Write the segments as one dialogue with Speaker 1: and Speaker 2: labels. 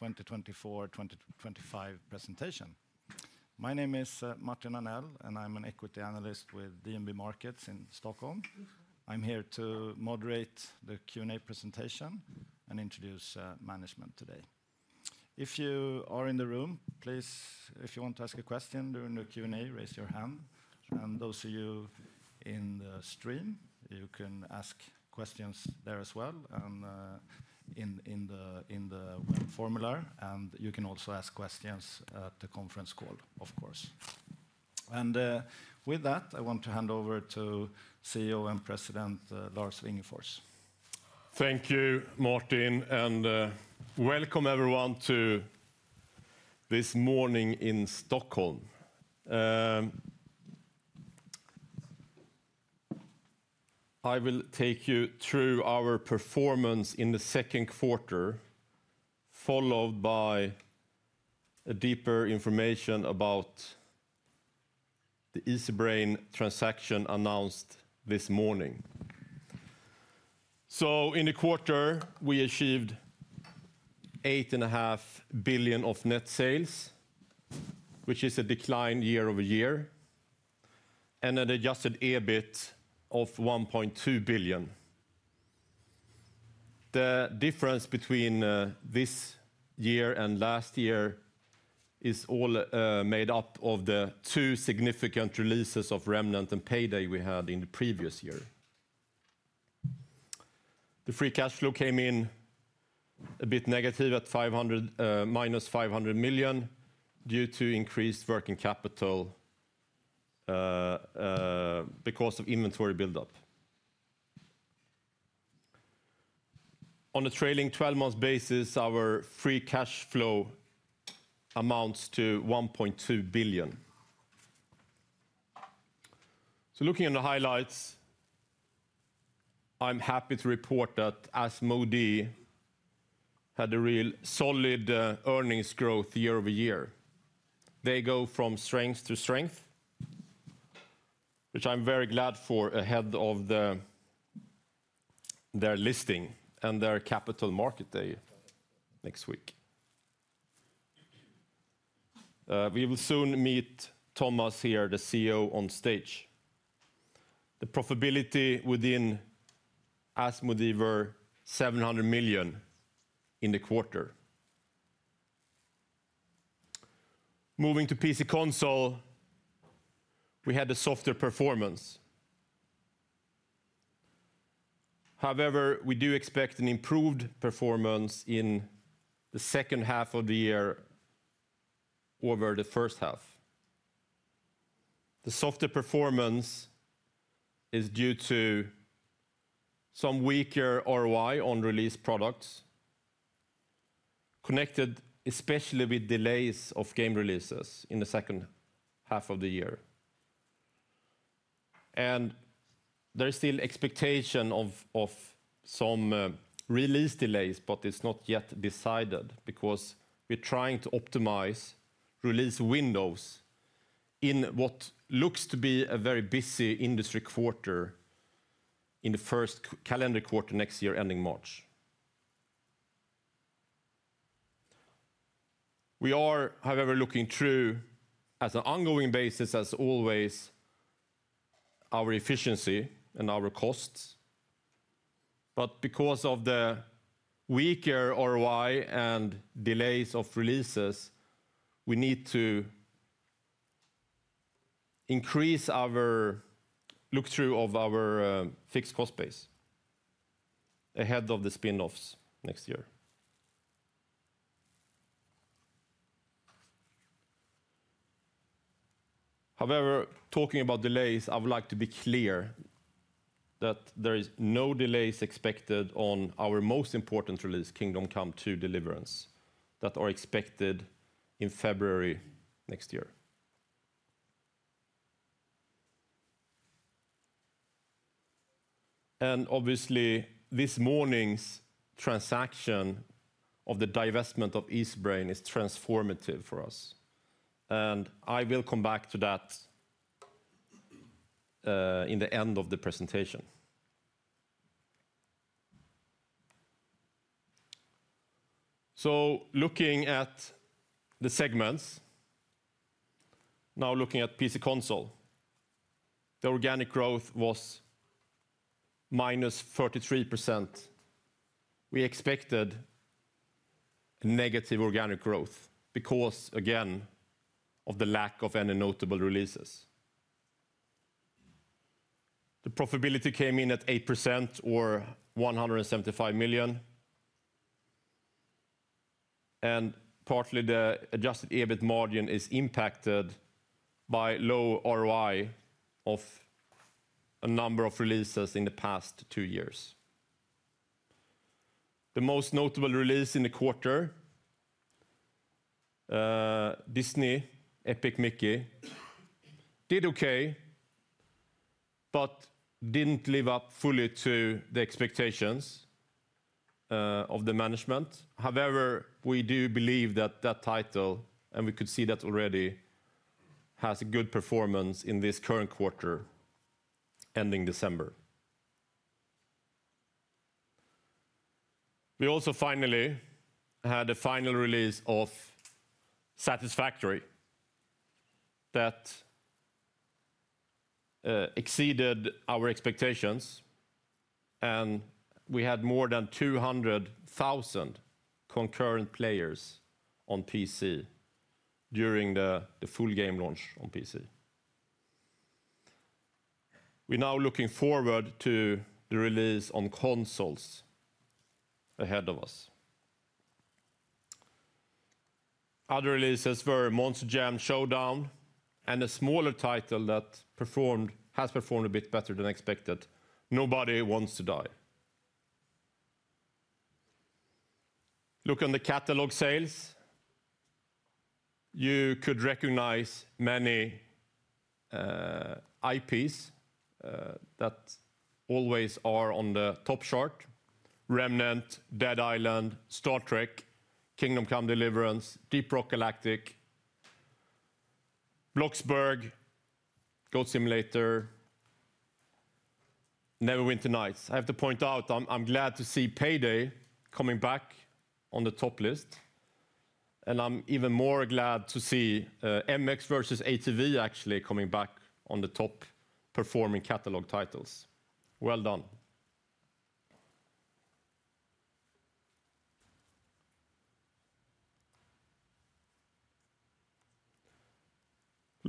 Speaker 1: 2024-2025 presentation. My name is Martin Arnell, and I'm an equity analyst with DNB Markets in Stockholm. I'm here to moderate the Q&A presentation and introduce management today. If you are in the room, please, if you want to ask a question during the Q&A, raise your hand, and those of you in the stream, you can ask questions there as well, and in the web form, and you can also ask questions at the conference call, of course, and with that, I want to hand over to CEO and President Lars Wingefors.
Speaker 2: Thank you, Martin, and welcome everyone to this morning in Stockholm. I will take you through our performance in the second quarter, followed by deeper information about the Easybrain transaction announced this morning. So, in the quarter, we achieved 8.5 billion of net sales, which is a decline year over year, and an Adjusted EBIT of 1.2 billion. The difference between this year and last year is all made up of the two significant releases of Remnant and Payday we had in the previous year. The free cash flow came in a bit negative at 500, -500 million due to increased working capital because of inventory buildup. On a trailing 12-month basis, our free cash flow amounts to SEK 1.2 billion. So, looking at the highlights, I'm happy to report that Asmodee had a real solid earnings growth year over year. They go from strength to strength, which I'm very glad for ahead of their listing and their capital market day next week. We will soon meet Thomas here, the CEO, on stage. The profitability within Asmodee were 700 million in the quarter. Moving to PC console, we had a softer performance. However, we do expect an improved performance in the second half of the year over the first half. The softer performance is due to some weaker ROI on release products, connected especially with delays of game releases in the second half of the year, and there is still expectation of some release delays, but it's not yet decided because we're trying to optimize release windows in what looks to be a very busy industry quarter in the first calendar quarter next year, ending March. We are, however, looking through, on an ongoing basis, as always, our efficiency and our costs. But because of the weaker ROI and delays of releases, we need to increase our look-through of our fixed cost base ahead of the spinoffs next year. However, talking about delays, I would like to be clear that there are no delays expected on our most important release, Kingdom Come: Deliverance II, that are expected in February next year. And obviously, this morning's transaction of the divestment of Easybrain is transformative for us. And I will come back to that in the end of the presentation. So, looking at the segments, now looking at PC console, the organic growth was -33%. We expected negative organic growth because, again, of the lack of any notable releases. The profitability came in at 8% or 175 million. And partly, the Adjusted EBIT margin is impacted by low ROI of a number of releases in the past two years. The most notable release in the quarter, Disney Epic Mickey, did okay, but didn't live up fully to the expectations of the management. However, we do believe that that title, and we could see that already, has a good performance in this current quarter, ending December. We also finally had a final release of Satisfactory that exceeded our expectations, and we had more than 200,000 concurrent players on PC during the full game launch on PC. We're now looking forward to the release on consoles ahead of us. Other releases were Monster Jam Showdown and a smaller title that has performed a bit better than expected, Nobody Wants to Die. Looking at the catalog sales, you could recognize many IPs that always are on the top chart: Remnant, Dead Island, Star Trek, Kingdom Come: Deliverance, Deep Rock Galactic, Bloxburg, Goat Simulator, Neverwinter Nights. I have to point out, I'm glad to see Payday coming back on the top list. And I'm even more glad to see MX vs. ATV actually coming back on the top performing catalog titles. Well done.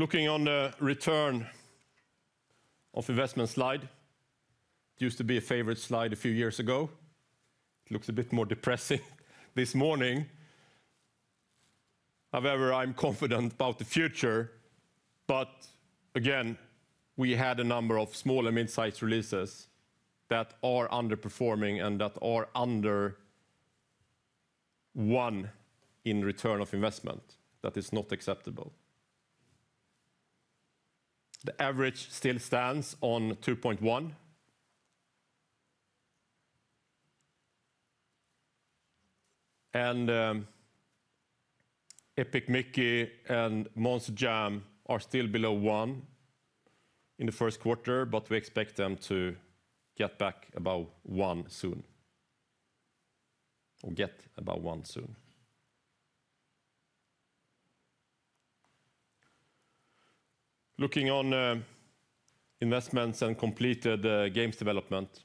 Speaker 2: Looking on the return on investment slide, it used to be a favorite slide a few years ago. It looks a bit more depressing this morning. However, I'm confident about the future. But again, we had a number of small and mid-sized releases that are underperforming and that are under one in return on investment that is not acceptable. The average still stands on 2.1. Epic Mickey and Monster Jam are still below one in the first quarter, but we expect them to get back above one soon, or get above one soon. Looking on investments and completed games development,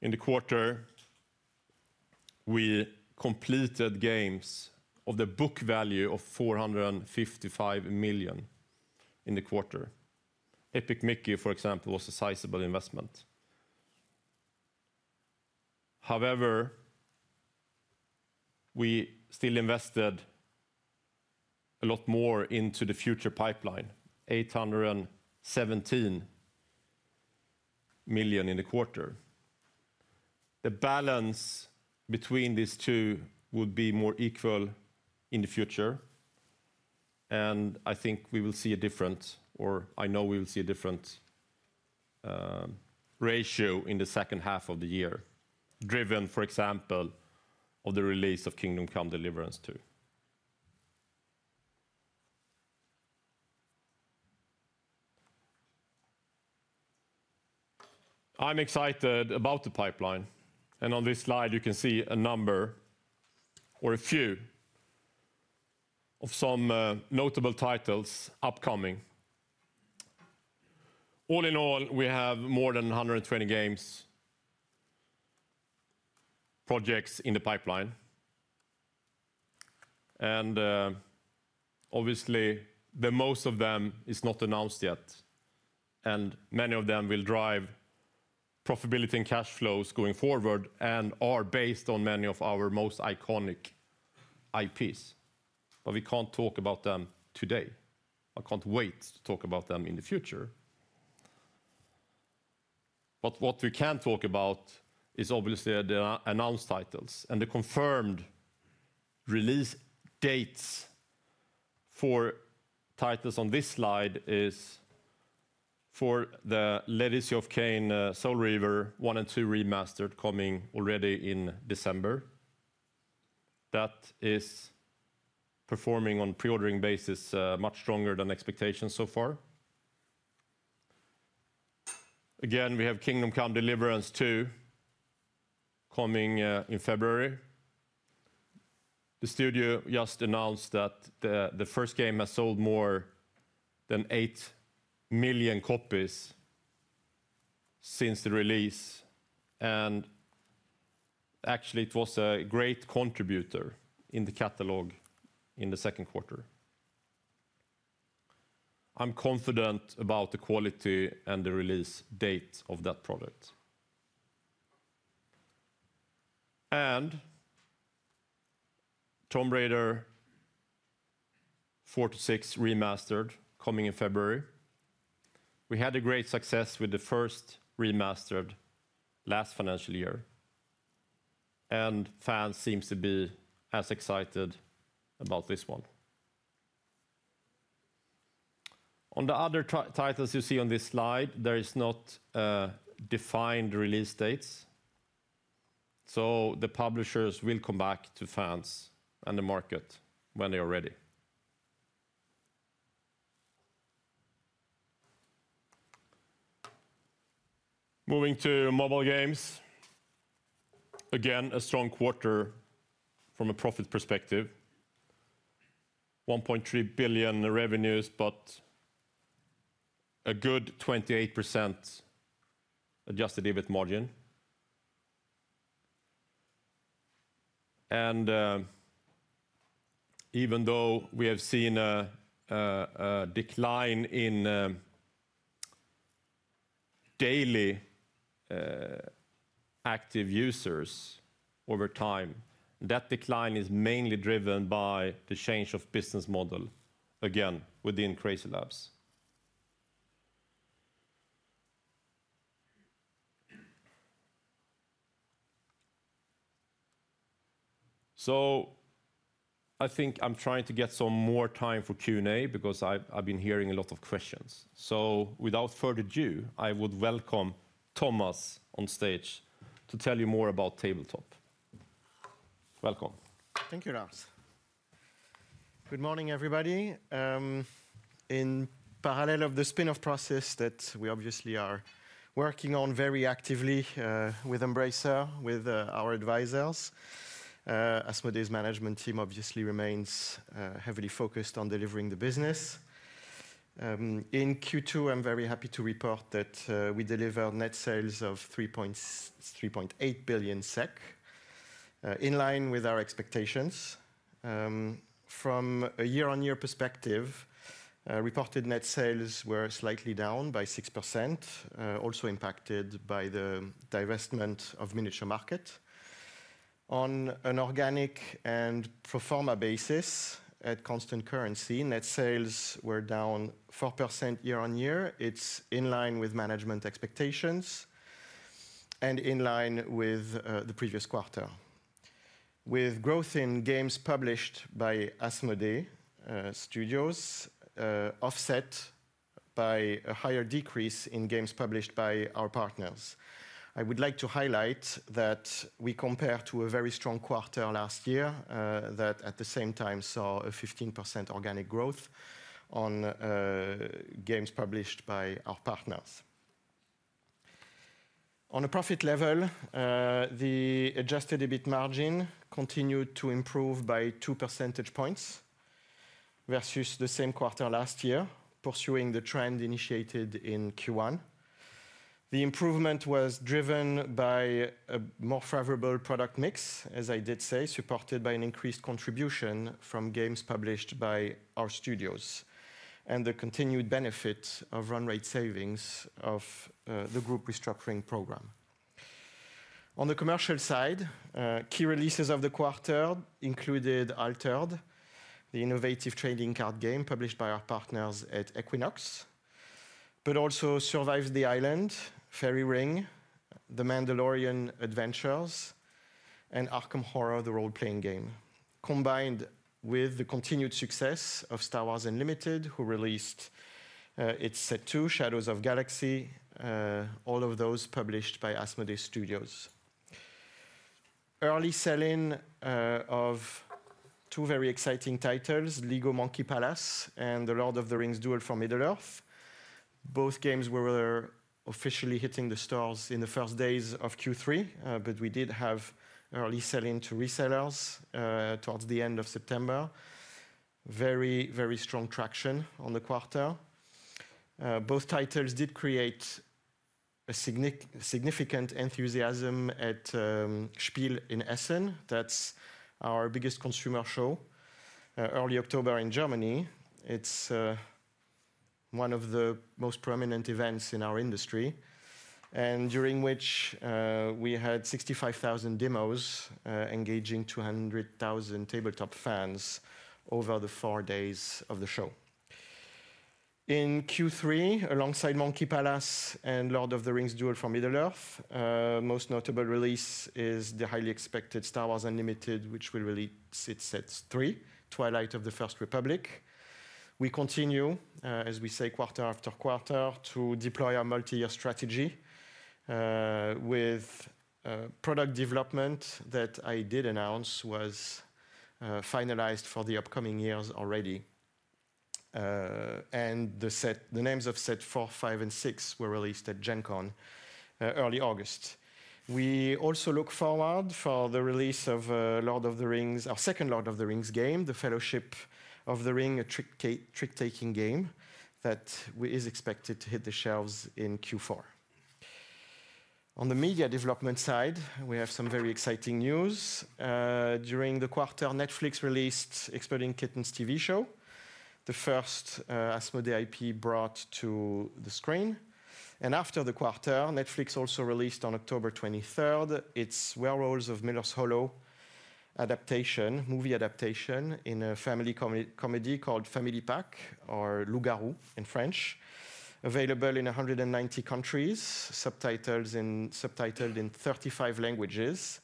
Speaker 2: in the quarter, we completed games of the book value of 455 million in the quarter. Epic Mickey, for example, was a sizable investment. However, we still invested a lot more into the future pipeline, 817 million in the quarter. The balance between these two would be more equal in the future. I think we will see a difference, or I know we will see a different ratio in the second half of the year, driven, for example, by the release of Kingdom Come: Deliverance II. I'm excited about the pipeline. On this slide, you can see a number, or a few, of some notable titles upcoming. All in all, we have more than 120 games projects in the pipeline. And obviously, most of them are not announced yet. And many of them will drive profitability and cash flows going forward and are based on many of our most iconic IPs. But we can't talk about them today. I can't wait to talk about them in the future. But what we can talk about is obviously the announced titles. And the confirmed release dates for titles on this slide are for Legacy of Kain: Soul Reaver 1 & 2 Remastered, coming already in December. That is performing on a pre-ordering basis much stronger than expectations so far. Again, we have Kingdom Come: Deliverance II coming in February. The studio just announced that the first game has sold more than eight million copies since the release. Actually, it was a great contributor in the catalog in the second quarter. I'm confident about the quality and the release date of that product. Tomb Raider IV-VI Remastered coming in February. We had a great success with the first Remastered last financial year. Fans seem to be as excited about this one. On the other titles you see on this slide, there are not defined release dates. So the publishers will come back to fans and the market when they are ready. Moving to mobile games. Again, a strong quarter from a profit perspective, 1.3 billion revenues, but a good 28% Adjusted EBIT margin. Even though we have seen a decline in daily active users over time, that decline is mainly driven by the change of business model, again, within CrazyLabs. I think I'm trying to get some more time for Q&A because I've been hearing a lot of questions. Without further ado, I would welcome Thomas on stage to tell you more about tabletop.
Speaker 3: Welcome. Thank you, Lars. Good morning, everybody. In parallel with the spinoff process that we obviously are working on very actively with Embracer, with our advisors, Asmodee's management team obviously remains heavily focused on delivering the business. In Q2, I'm very happy to report that we delivered net sales of 3.8 billion SEK, in line with our expectations. From a year-on-year perspective, reported net sales were slightly down by 6%, also impacted by the divestment of Miniature Market. On an organic and pro forma basis at constant currency, net sales were down 4% year-on-year. It's in line with management expectations and in line with the previous quarter, with growth in games published by Asmodee Studios offset by a higher decrease in games published by our partners. I would like to highlight that we compared to a very strong quarter last year that at the same time saw a 15% organic growth on games published by our partners. On a profit level, the Adjusted EBIT margin continued to improve by 2 percentage points versus the same quarter last year, pursuing the trend initiated in Q1. The improvement was driven by a more favorable product mix, as I did say, supported by an increased contribution from games published by our studios and the continued benefit of run rate savings of the group restructuring program. On the commercial side, key releases of the quarter included Altered, the innovative trading card game published by our partners at Equinox, but also Survive the Island, Fairy Ring, The Mandalorian Adventures, and Arkham Horror, the role-playing game, combined with the continued success of Star Wars Unlimited, who released its set two, Shadows of the Galaxy, all of those published by Asmodee Studios. Early selling of two very exciting titles, LEGO Monkey Palace and The Lord of the Rings: Duel for Middle-earth. Both games were officially hitting the stores in the first days of Q3, but we did have early selling to resellers towards the end of September, very, very strong traction on the quarter. Both titles did create a significant enthusiasm at Spiel Essen. That's our biggest consumer show, early October in Germany. It's one of the most prominent events in our industry, and during which we had 65,000 demos engaging 200,000 tabletop fans over the four days of the show. In Q3, alongside Monkey Palace and Lord of the Rings: Duel for Middle-earth, the most notable release is the highly expected Star Wars Unlimited, which will release its set three, Twilight of the Republic. We continue, as we say, quarter after quarter, to deploy our multi-year strategy with product development that I did announce was finalized for the upcoming years already. And the names of set four, five, and six were released at Gen Con early August. We also look forward to the release of Lord of the Rings, our second Lord of the Rings game, The Fellowship of the Ring, a trick-taking game that is expected to hit the shelves in Q4. On the media development side, we have some very exciting news. During the quarter, Netflix released Exploding Kittens TV show, the first Asmodee IP brought to the screen. After the quarter, Netflix also released on October 23rd its Werewolves of Miller's Hollow adaptation, movie adaptation in a family comedy called Family Pack, or Loups-Garous in French, available in 190 countries, subtitled in 35 languages.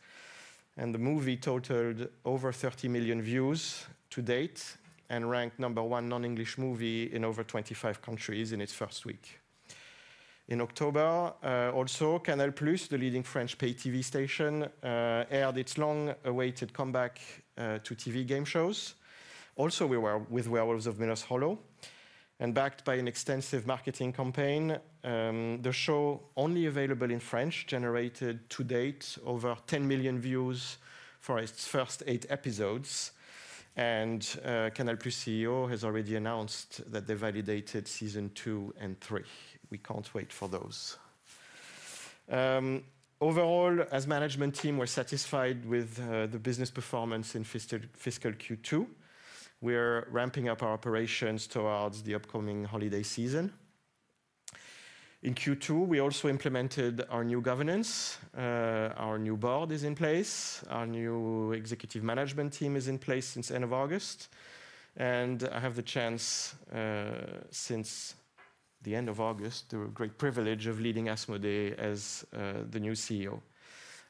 Speaker 3: The movie totaled over 30 million views to date and ranked number one non-English movie in over 25 countries in its first week. In October, also, Canal+, the leading French pay TV station, aired its long-awaited comeback to TV game shows. Also, we were with Werewolves of Miller's Hollow. Backed by an extensive marketing campaign, the show, only available in French, generated to date over 10 million views for its first eight episodes. Canal+ CEO has already announced that they validated season two and three. We can't wait for those. Overall, as a management team, we're satisfied with the business performance in fiscal Q2. We're ramping up our operations towards the upcoming holiday season. In Q2, we also implemented our new governance. Our new board is in place. Our new executive management team is in place since the end of August. I have the chance, since the end of August, the great privilege of leading Asmodee as the new CEO.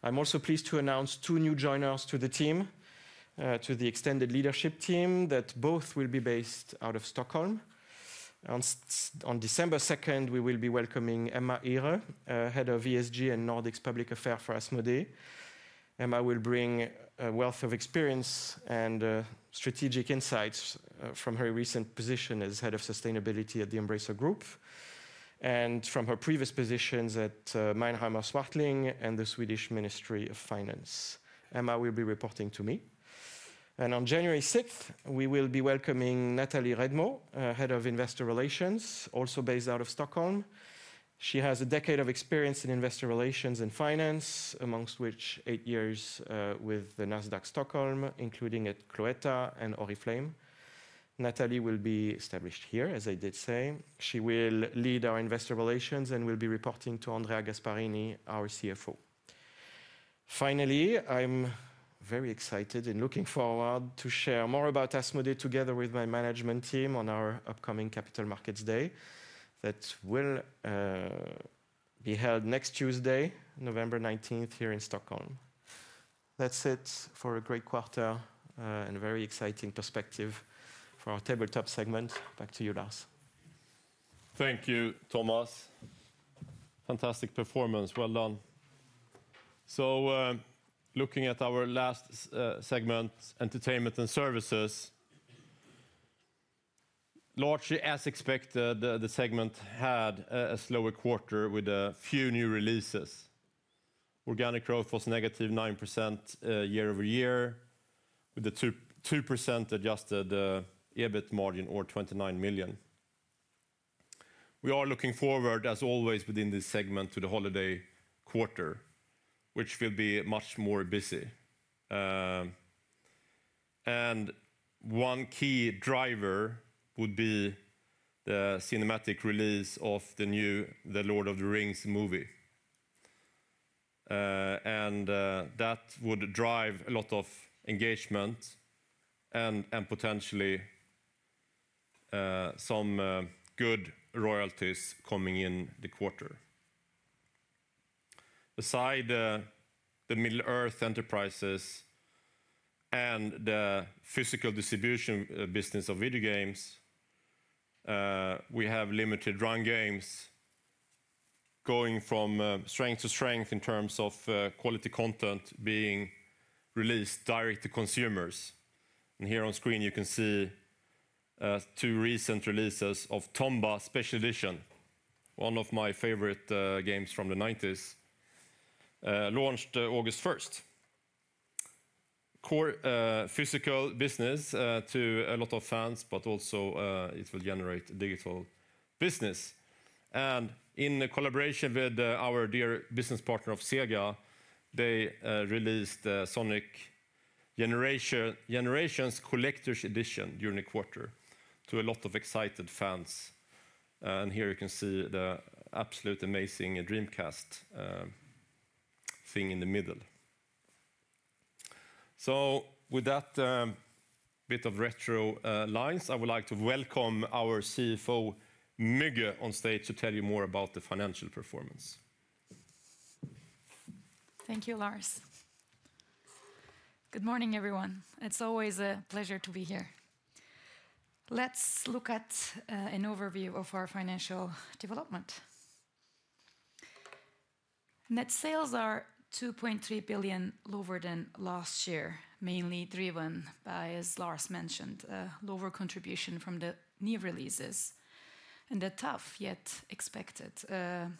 Speaker 3: I'm also pleased to announce two new joiners to the team, to the extended leadership team, that both will be based out of Stockholm. On December 2nd, we will be welcoming Emma Ihre, Head of ESG and Nordics Public Affair for Asmodee. Emma will bring a wealth of experience and strategic insights from her recent position as Head of Sustainability at the Embracer Group and from her previous positions at Mannheimer Swartling and the Swedish Ministry of Finance. Emma will be reporting to me. On January 6th, we will be welcoming Nathalie Redmo, Head of Investor Relations, also based out of Stockholm. She has a decade of experience in investor relations and finance, amongst which eight years with the Nasdaq Stockholm, including at Cloetta and Oriflame. Nathalie will be based here, as I did say. She will lead our investor relations and will be reporting to Andrea Gasparini, our CFO. Finally, I'm very excited and looking forward to share more about Asmodee together with my management team on our upcoming Capital Markets Day that will be held next Tuesday, November 19th, here in Stockholm. That's it for a great quarter and a very exciting perspective for our Tabletop segment. Back to you, Lars.
Speaker 2: Thank you, Thomas. Fantastic performance. Well done. So looking at our last segment, Entertainment and Services, largely, as expected, the segment had a slower quarter with a few new releases. Organic growth was -9% year over year, with a 2% Adjusted EBIT margin or 29 million. We are looking forward, as always, within this segment to the holiday quarter, which will be much more busy. And one key driver would be the cinematic release of the new The Lord of the Rings movie. And that would drive a lot of engagement and potentially some good royalties coming in the quarter. Besides the Middle-earth Enterprises and the physical distribution business of video games, we have Limited Run Games going from strength to strength in terms of quality content being released direct to consumers. And here on screen, you can see two recent releases of Tomba! Special Edition, one of my favorite games from the '90s, launched August 1st. Core physical business to a lot of fans, but also it will generate digital business. And in collaboration with our dear business partner of Sega, they released Sonic Generations Collector's Edition during the quarter to a lot of excited fans. And here you can see the absolutely amazing Dreamcast thing in the middle. So with that bit of retro lines, I would like to welcome our CFO, Müge, on stage to tell you more about the financial performance.
Speaker 4: Thank you, Lars. Good morning, everyone. It's always a pleasure to be here. Let's look at an overview of our financial development. Net sales are 2.3 billion lower than last year, mainly driven by, as Lars mentioned, a lower contribution from the new releases and a tough yet expected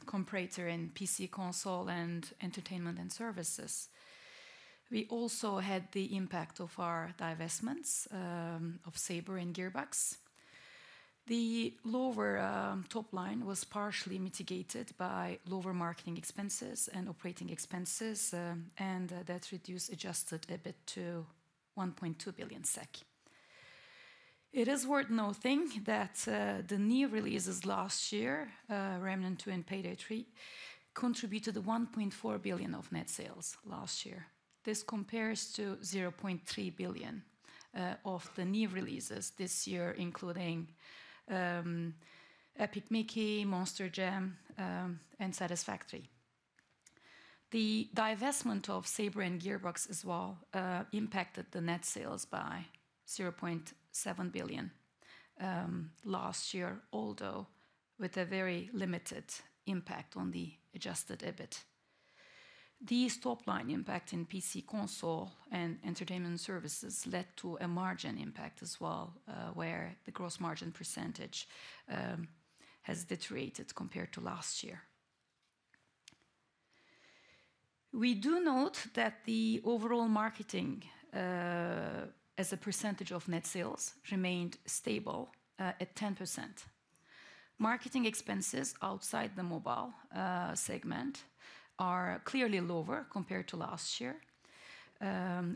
Speaker 4: comparator in PC console and entertainment and services. We also had the impact of our divestments of Saber and Gearbox. The lower top line was partially mitigated by lower marketing expenses and operating expenses, and that reduced Adjusted EBIT to 1.2 billion SEK. It is worth noting that the new releases last year, Remnant 2 and Payday 3, contributed 1.4 billion of net sales last year. This compares to 0.3 billion of the new releases this year, including Epic Mickey, Monster Jam, and Satisfactory. The divestment of Saber and Gearbox as well impacted the net sales by 0.7 billion last year, although with a very limited impact on the Adjusted EBIT. The top line impact in PC console and entertainment and services led to a margin impact as well, where the gross margin percentage has deteriorated compared to last year. We do note that the overall marketing as a percentage of net sales remained stable at 10%. Marketing expenses outside the mobile segment are clearly lower compared to last year,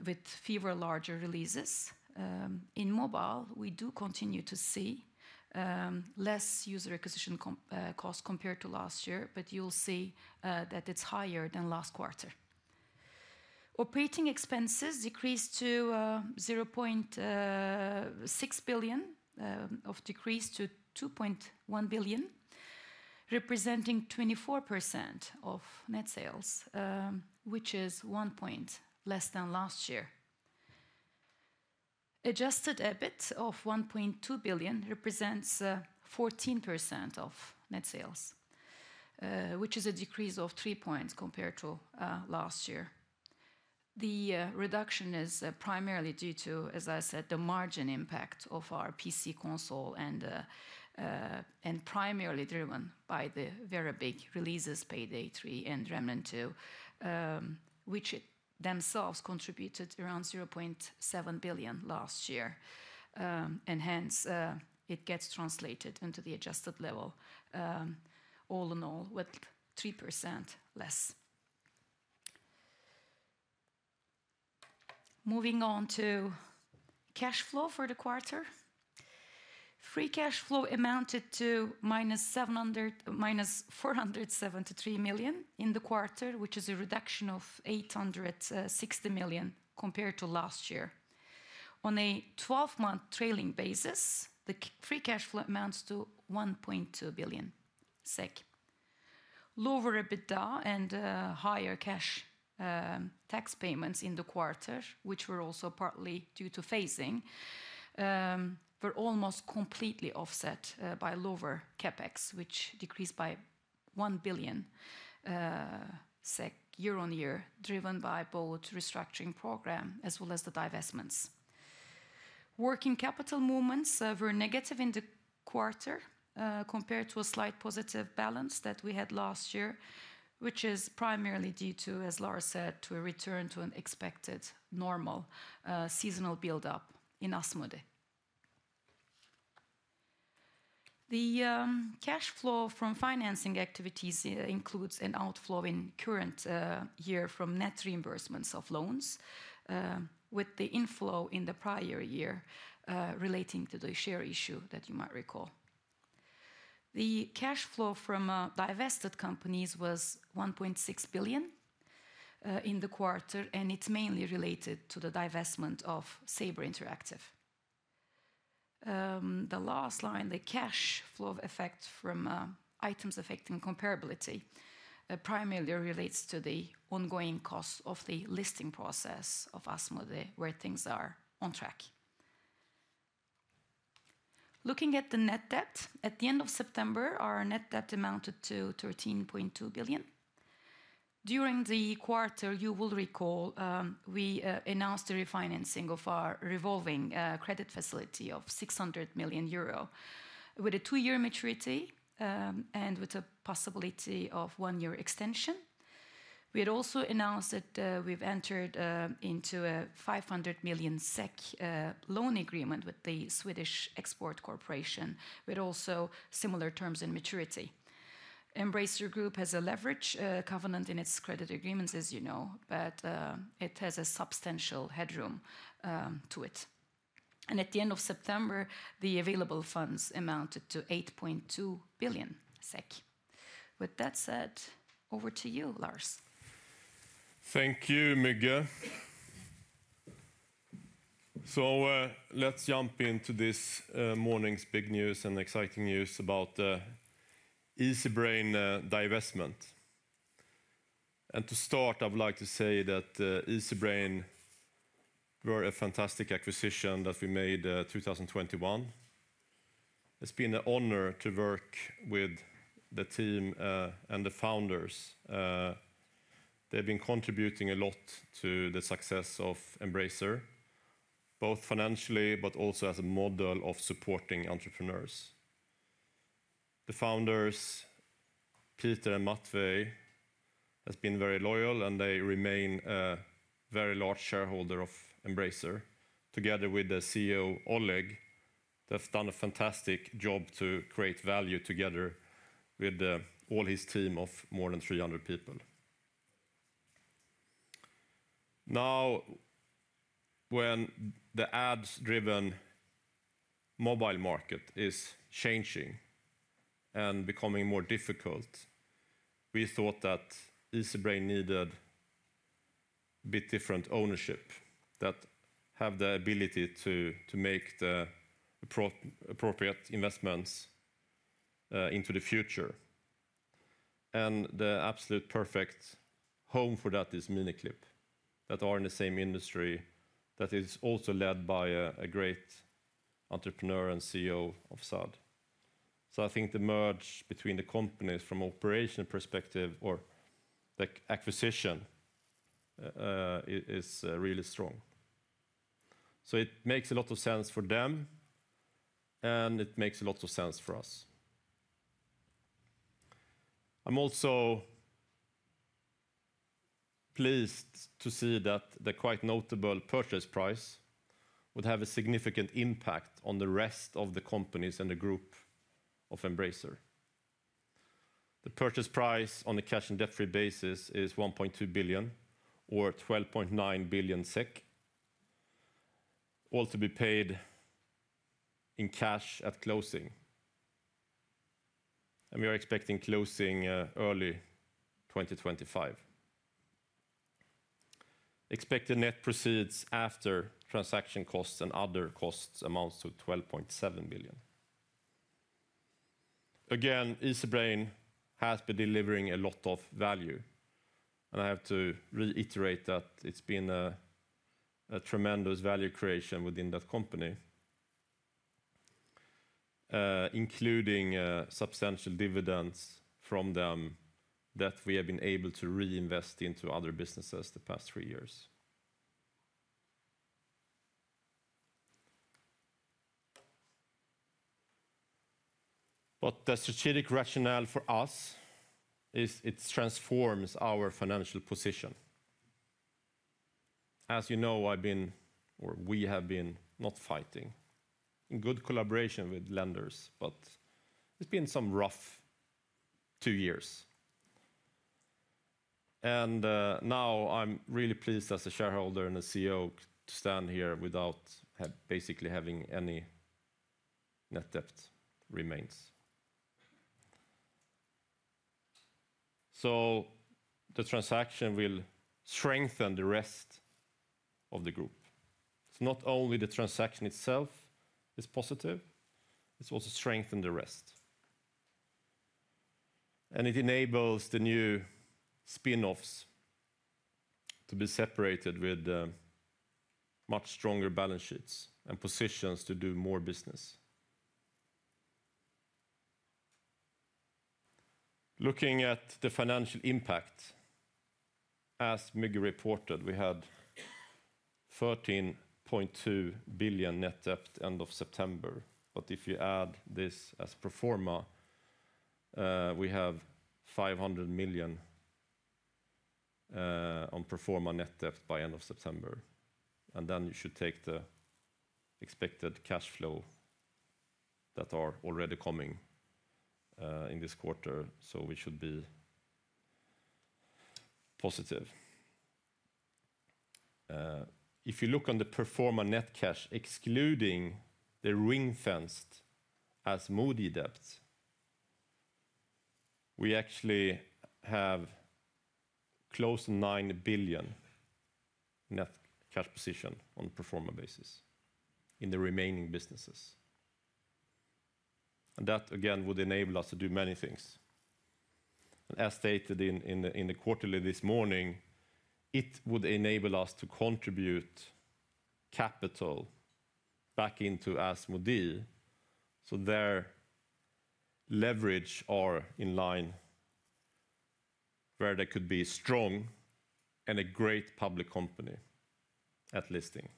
Speaker 4: with fewer larger releases. In mobile, we do continue to see less user acquisition costs compared to last year, but you'll see that it's higher than last quarter. Operating expenses decreased to 0.6 billion from 2.1 billion, representing 24% of net sales, which is 1 point less than last year. Adjusted EBIT of 1.2 billion represents 14% of net sales, which is a decrease of 3 points compared to last year. The reduction is primarily due to, as I said, the margin impact of our PC console and primarily driven by the very big releases, Payday 3 and Remnant 2, which themselves contributed around 0.7 billion last year. And hence, it gets translated into the adjusted level, all in all, with 3% less. Moving on to cash flow for the quarter, free cash flow amounted to -473 million in the quarter, which is a reduction of 860 million compared to last year. On a 12-month trailing basis, the free cash flow amounts to 1.2 billion SEK. Lower EBITDA and higher cash tax payments in the quarter, which were also partly due to phasing, were almost completely offset by lower CapEx, which decreased by 1 billion SEK year on year, driven by both restructuring program as well as the divestments. Working capital movements were negative in the quarter compared to a slight positive balance that we had last year, which is primarily due to, as Lars said, to a return to an expected normal seasonal build-up in Asmodee. The cash flow from financing activities includes an outflow in current year from net reimbursements of loans, with the inflow in the prior year relating to the share issue that you might recall. The cash flow from divested companies was 1.6 billion in the quarter, and it's mainly related to the divestment of Saber Interactive. The last line, the cash flow effect from items affecting comparability primarily relates to the ongoing cost of the listing process of Asmodee, where things are on track. Looking at the net debt, at the end of September, our net debt amounted to 13.2 billion. During the quarter, you will recall, we announced the refinancing of our revolving credit facility of 600 million euro, with a two-year maturity and with a possibility of one-year extension. We had also announced that we've entered into a 500 million SEK loan agreement with the Swedish Export Corporation, with also similar terms and maturity. Embracer Group has a leverage covenant in its credit agreements, as you know, but it has a substantial headroom to it, and at the end of September, the available funds amounted to 8.2 billion SEK. With that said, over to you, Lars.
Speaker 2: Thank you, Müge, so let's jump into this morning's big news and exciting news about Easybrain divestment, and to start, I would like to say that Easybrain were a fantastic acquisition that we made in 2021. It's been an honor to work with the team and the founders. They've been contributing a lot to the success of Embracer, both financially, but also as a model of supporting entrepreneurs. The founders, Peter and Matvey, have been very loyal, and they remain a very large shareholder of Embracer. Together with the CEO, Oleg, they've done a fantastic job to create value together with all his team of more than 300 people. Now, when the ads-driven mobile market is changing and becoming more difficult, we thought that Easybrain needed a bit different ownership that have the ability to make the appropriate investments into the future. And the absolute perfect home for that is Miniclip, that are in the same industry, that is also led by a great entrepreneur and CEO of Saad. So I think the merger between the companies from an operational perspective or the acquisition is really strong. It makes a lot of sense for them, and it makes a lot of sense for us. I'm also pleased to see that the quite notable purchase price would have a significant impact on the rest of the companies and the group of Embracer. The purchase price on a cash and debt-free basis is 1.2 billion or 12.9 billion SEK, all to be paid in cash at closing. We are expecting closing early 2025. Expected net proceeds after transaction costs and other costs amount to 12.7 billion. Again, Easybrain has been delivering a lot of value. I have to reiterate that it's been a tremendous value creation within that company, including substantial dividends from them that we have been able to reinvest into other businesses the past three years. The strategic rationale for us is it transforms our financial position. As you know, I've been, or we have been, not fighting in good collaboration with lenders, but it's been some rough two years, and now I'm really pleased as a shareholder and a CEO to stand here without basically having any net debt remains, so the transaction will strengthen the rest of the group, so not only the transaction itself is positive, it's also strengthened the rest, and it enables the new spinoffs to be separated with much stronger balance sheets and positions to do more business. Looking at the financial impact, as Müge reported, we had 13.2 billion net debt end of September, but if you add this as pro forma, we have 500 million on pro forma net debt by end of September, and then you should take the expected cash flow that are already coming in this quarter, so we should be positive. If you look on the pro forma net cash, excluding the ring-fenced Asmodee debts, we actually have close to 9 billion net cash position on a pro forma basis in the remaining businesses. That, again, would enable us to do many things. As stated in the quarterly this morning, it would enable us to contribute capital back into Asmodee so their leverage are in line where they could be strong and a great public company at listing.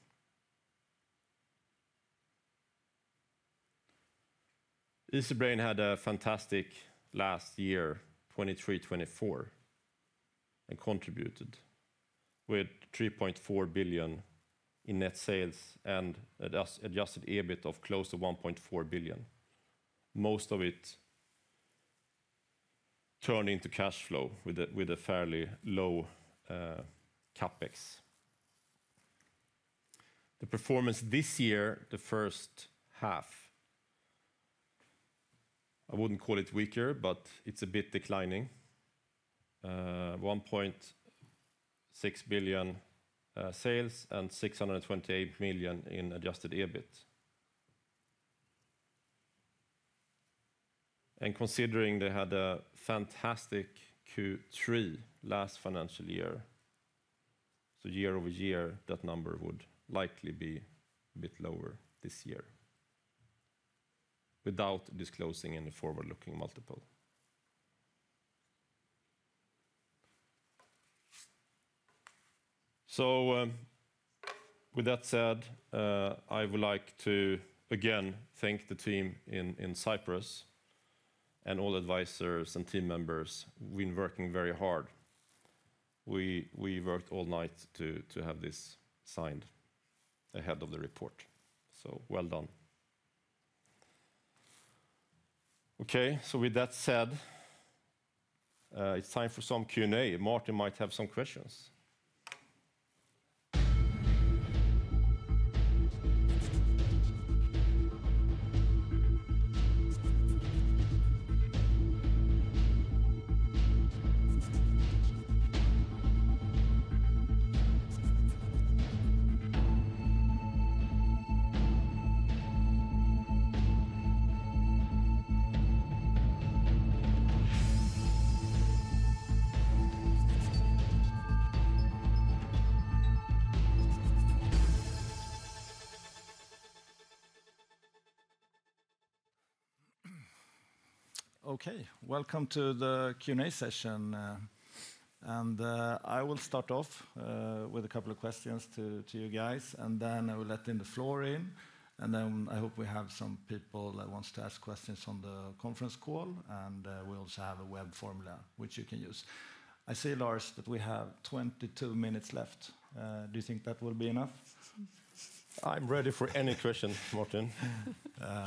Speaker 2: Easybrain had a fantastic last year, 23-24, and contributed with 3.4 billion in net sales and an Adjusted EBIT of close to 1.4 billion, most of it turned into cash flow with a fairly low CapEx. The performance this year, the first half, I wouldn't call it weaker, but it's a bit declining: 1.6 billion sales and 628 million in Adjusted EBIT. And considering they had a fantastic Q3 last financial year, so year over year, that number would likely be a bit lower this year without disclosing any forward-looking multiple. So with that said, I would like to again thank the team in Cyprus and all advisors and team members. We've been working very hard. We worked all night to have this signed ahead of the report. So well done. Okay, so with that said, it's time for some Q&A. Martin might have some questions.
Speaker 1: Okay, welcome to the Q&A session. And I will start off with a couple of questions to you guys, and then I will open the floor. And then I hope we have some people that want to ask questions on the conference call, and we also have a web form which you can use. I see, Lars, that we have 22 minutes left.
Speaker 2: Do you think that will be enough? I'm ready for any question, Martin.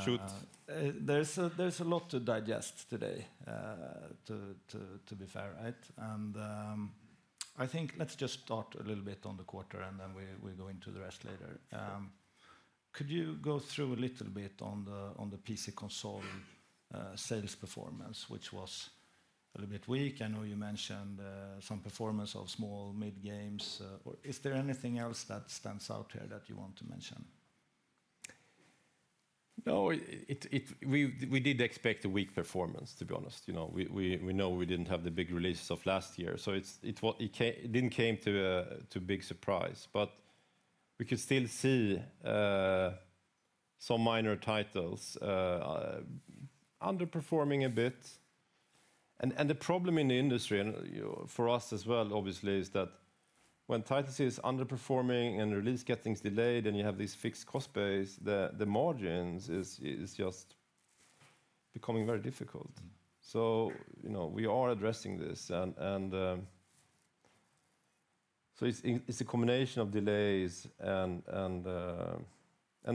Speaker 2: Shoot.
Speaker 1: There's a lot to digest today, to be fair, right, and I think let's just start a little bit on the quarter, and then we go into the rest later. Could you go through a little bit on the PC console sales performance, which was a little bit weak? I know you mentioned some performance of small, mid games. Is there anything else that stands out here that you want to mention?
Speaker 2: No, we did expect a weak performance, to be honest. We know we didn't have the big releases of last year, so it didn't come to a big surprise, but we could still see some minor titles underperforming a bit. And the problem in the industry, and for us as well, obviously, is that when titles are underperforming and release getting delayed and you have these fixed cost bases, the margins are just becoming very difficult. So we are addressing this. And so it's a combination of delays, and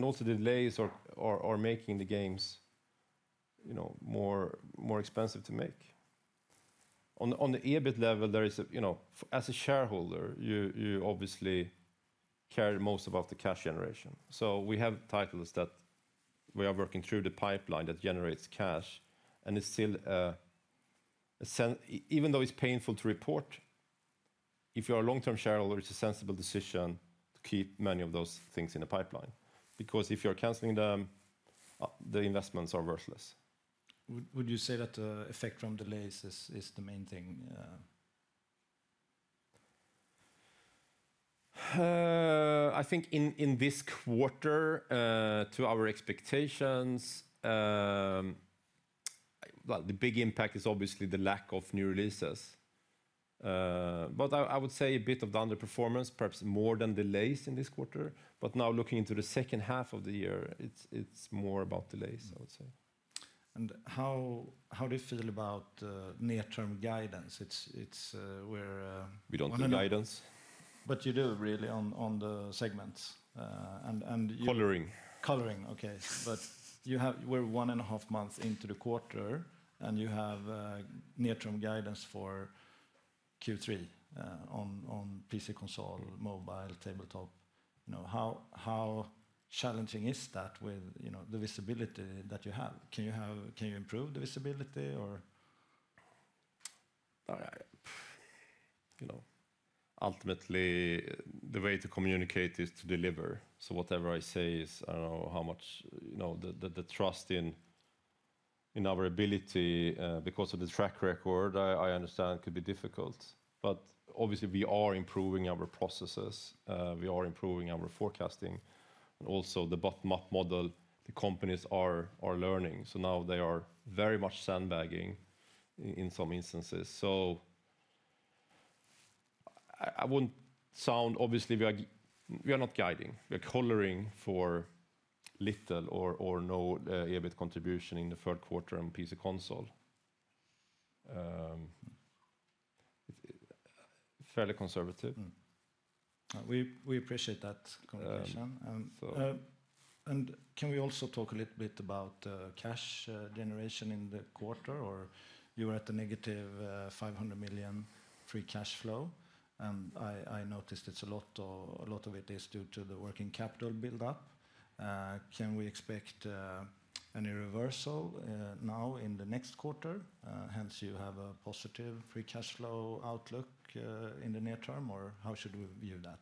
Speaker 2: also delays are making the games more expensive to make. On the EBIT level, as a shareholder, you obviously care most about the cash generation. So we have titles that we are working through the pipeline that generates cash. And it's still, even though it's painful to report, if you are a long-term shareholder, it's a sensible decision to keep many of those things in the pipeline. Because if you're canceling them, the investments are worthless.
Speaker 1: Would you say that the effect from delays is the main thing?
Speaker 2: I think in this quarter, to our expectations, the big impact is obviously the lack of new releases. But I would say a bit of the underperformance, perhaps more than delays in this quarter. But now looking into the second half of the year, it's more about delays, I would say.
Speaker 1: And how do you feel about near-term guidance?
Speaker 2: We don't need guidance.
Speaker 1: But you do, really, on the segments. And
Speaker 2: coloring.
Speaker 1: Coloring, okay. But you're one and a half months into the quarter, and you have near-term guidance for Q3 on PC console, mobile, tabletop. How challenging is that with the visibility that you have? Can you improve the visibility or?
Speaker 2: Ultimately, the way to communicate is to deliver. So whatever I say is, I don't know how much the trust in our ability because of the track record, I understand, could be difficult. But obviously, we are improving our processes. We are improving our forecasting. And also the Bottom-Up model, the companies are learning. So now they are very much sandbagging in some instances. So I wouldn't sound, obviously, we are not guiding. We are coloring for little or no EBIT contribution in the third quarter on PC console. Fairly conservative.
Speaker 1: We appreciate that conversation. And can we also talk a little bit about cash generation in the quarter? Or you were at a -500 million free cash flow. And I noticed it's a lot of it is due to the working capital build-up. Can we expect any reversal now in the next quarter? Hence, you have a positive free cash flow outlook in the near term, or how should we view that?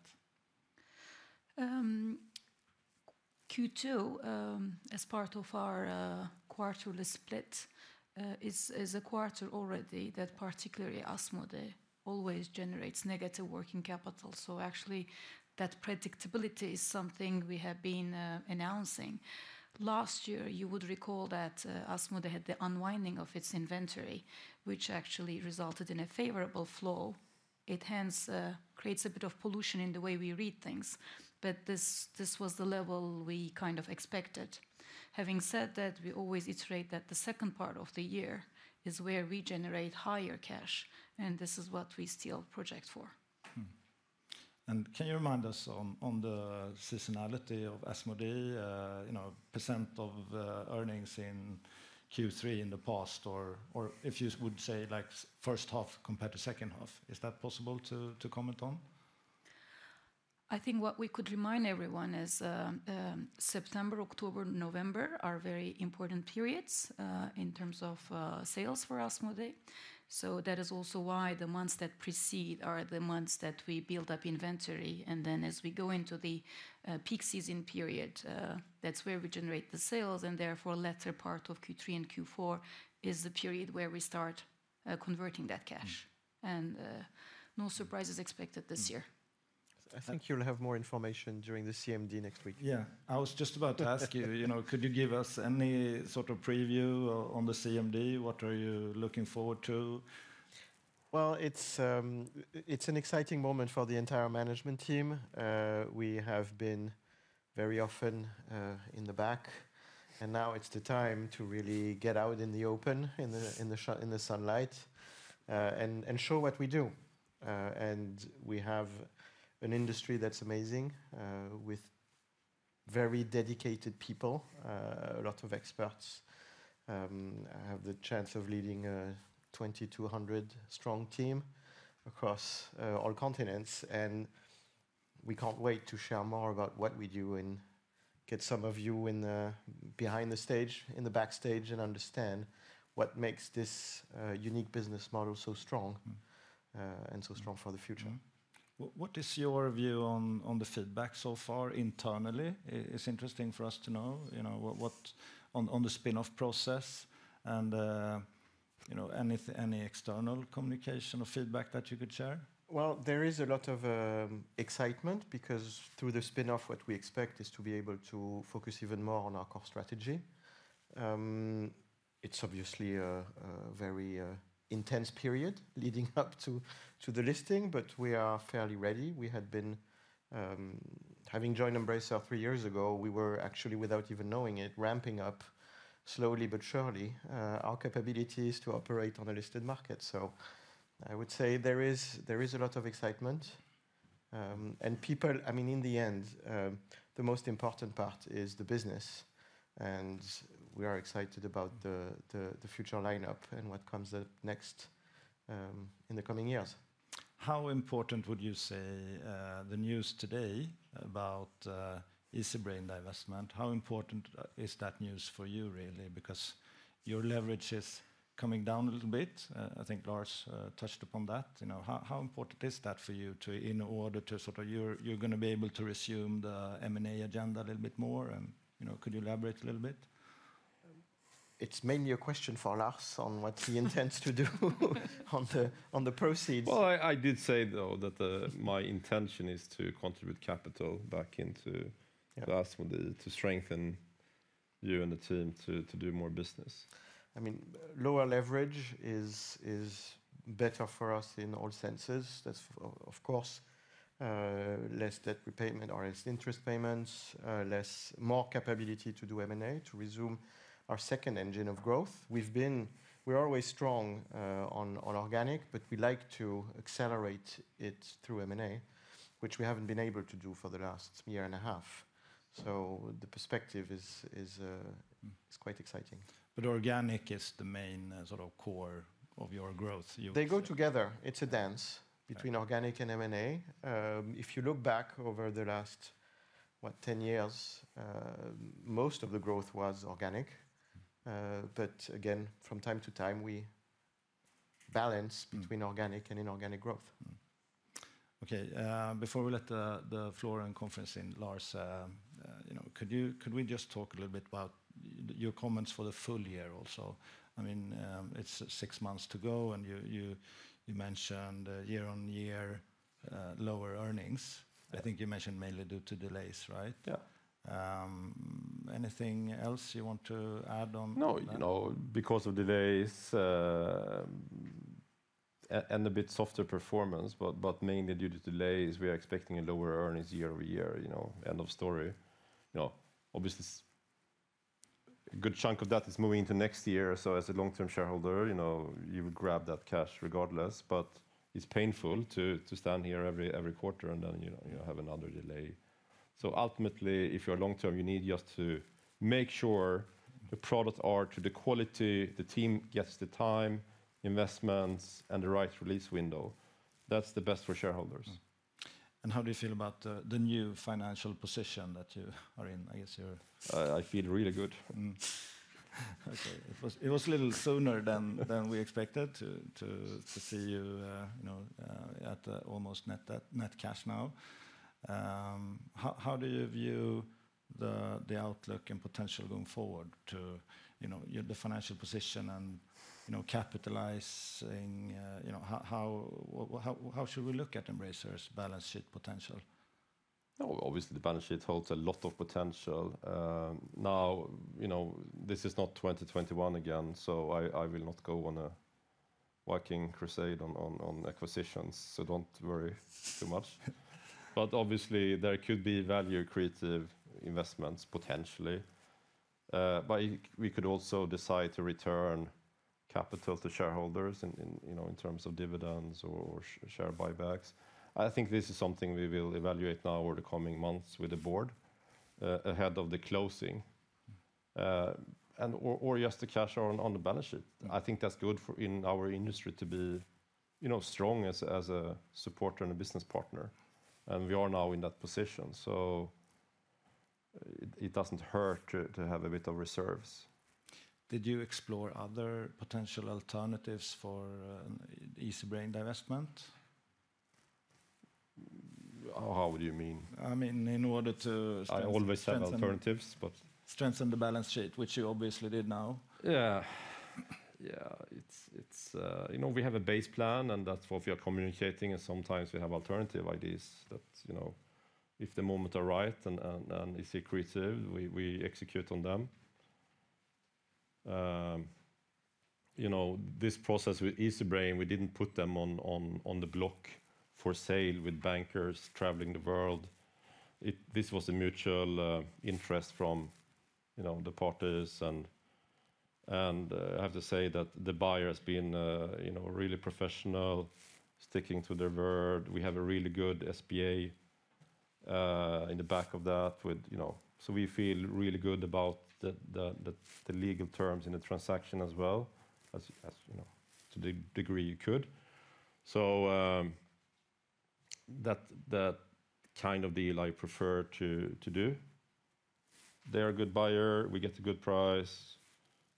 Speaker 4: Q2, as part of our quarterly split, is a quarter already that particularly Asmodee always generates negative working capital. So actually, that predictability is something we have been announcing. Last year, you would recall that Asmodee had the unwinding of its inventory, which actually resulted in a favorable flow. It hence creates a bit of pollution in the way we read things. But this was the level we kind of expected. Having said that, we always iterate that the second part of the year is where we generate higher cash. And this is what we still project for.
Speaker 1: And can you remind us on the seasonality of Asmodee, percent of earnings in Q3 in the past, or if you would say first half compared to second half? Is that possible to comment on?
Speaker 4: I think what we could remind everyone is September, October, November are very important periods in terms of sales for Asmodee. So that is also why the months that precede are the months that we build up inventory. And then as we go into the peak season period, that's where we generate the sales. And therefore, the latter part of Q3 and Q4 is the period where we start converting that cash. And no surprises expected this year.
Speaker 3: I think you'll have more information during the CMD next week.
Speaker 1: Yeah, I was just about to ask you, could you give us any sort of preview on the CMD? What are you looking forward to?
Speaker 3: Well, it's an exciting moment for the entire management team. We have been very often in the back. And now it's the time to really get out in the open, in the sunlight, and show what we do. And we have an industry that's amazing with very dedicated people, a lot of experts. I have the chance of leading a 2,200-strong team across all continents, and we can't wait to share more about what we do and get some of you behind the stage, in the backstage, and understand what makes this unique business model so strong and so strong for the future.
Speaker 1: What is your view on the feedback so far internally? It's interesting for us to know on the spinoff process and any external communication or feedback that you could share?
Speaker 3: There is a lot of excitement because through the spinoff, what we expect is to be able to focus even more on our core strategy. It's obviously a very intense period leading up to the listing, but we are fairly ready. We had joined Embracer three years ago, we were actually, without even knowing it, ramping up slowly but surely our capabilities to operate on a listed market. So I would say there is a lot of excitement. And people, I mean, in the end, the most important part is the business. And we are excited about the future lineup and what comes next in the coming years.
Speaker 1: How important would you say the news today about Easybrain divestment? How important is that news for you, really? Because your leverage is coming down a little bit. I think Lars touched upon that. How important is that for you in order to sort of you're going to be able to resume the M&A agenda a little bit more? And could you elaborate a little bit? It's mainly a question for Lars on what he intends to do on the proceeds.
Speaker 2: I did say, though, that my intention is to contribute capital back into Asmodee to strengthen you and the team to do more business.
Speaker 3: I mean, lower leverage is better for us in all senses. That's, of course, less debt repayment or less interest payments, more capability to do M&A to resume our second engine of growth. We're always strong on organic, but we like to accelerate it through M&A, which we haven't been able to do for the last year and a half. The perspective is quite exciting. Organic is the main sort of core of your growth. They go together. It's a dance between organic and M&A. If you look back over the last, what, 10 years, most of the growth was organic. Again, from time to time, we balance between organic and inorganic growth.
Speaker 1: Okay, before we let the floor and conference in, Lars, could we just talk a little bit about your comments for the full year also? I mean, it's six months to go, and you mentioned year-on-year lower earnings. I think you mentioned mainly due to delays, right? Yeah. Anything else you want to add on?
Speaker 2: No, because of delays and a bit softer performance, but mainly due to delays, we are expecting a lower earnings year over year, end of story. Obviously, a good chunk of that is moving into next year. So as a long-term shareholder, you would grab that cash regardless. But it's painful to stand here every quarter and then have another delay. So ultimately, if you're long-term, you need just to make sure the products are to the quality, the team gets the time investments, and the right release window. That's the best for shareholders.
Speaker 1: How do you feel about the new financial position that you are in? I guess you're...
Speaker 2: I feel really good.
Speaker 1: Okay, it was a little sooner than we expected to see you at almost net cash now. How do you view the outlook and potential going forward to the financial position and capitalizing? How should we look at Embracer's balance sheet potential?
Speaker 2: Obviously, the balance sheet holds a lot of potential. Now, this is not 2021 again, so I will not go on a shopping crusade on acquisitions. So don't worry too much. But obviously, there could be value-creating investments, potentially. But we could also decide to return capital to shareholders in terms of dividends or share buybacks. I think this is something we will evaluate now over the coming months with the board ahead of the closing. And or just the cash on the balance sheet. I think that's good in our industry to be strong as a supporter and a business partner. We are now in that position. So it doesn't hurt to have a bit of reserves.
Speaker 1: Did you explore other potential alternatives for Easybrain divestment?
Speaker 2: How would you mean?
Speaker 1: I mean, in order to...
Speaker 2: I always have alternatives, but...
Speaker 1: strengthen the balance sheet, which you obviously did now.
Speaker 2: Yeah. Yeah, we have a base plan, and that's what we are communicating. Sometimes we have alternative ideas that if the moment arrives and it's secretive, we execute on them. This process with Easybrain, we didn't put them on the block for sale with bankers traveling the world. This was a mutual interest from the partners. I have to say that the buyer has been really professional, sticking to their word. We have a really good SPA in the back of that. So we feel really good about the legal terms in the transaction as well, to the degree you could. So that kind of deal I prefer to do. They are a good buyer. We get a good price,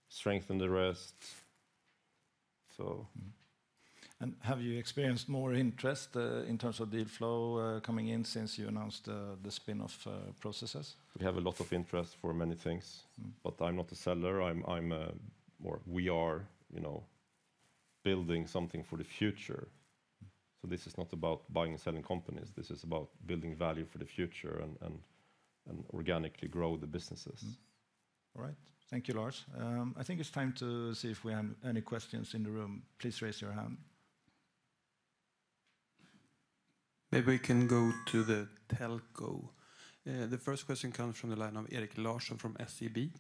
Speaker 2: strengthen the rest.
Speaker 1: And have you experienced more interest in terms of deal flow coming in since you announced the spinoff processes?
Speaker 2: We have a lot of interest for many things. But I'm not a seller. We are building something for the future. So this is not about buying and selling companies. This is about building value for the future and organically grow the businesses.
Speaker 1: All right, thank you, Lars. I think it's time to see if we have any questions in the room. Please raise your hand. Maybe we can go to the telco. The first question comes from the line of Erik Larsson from SEB.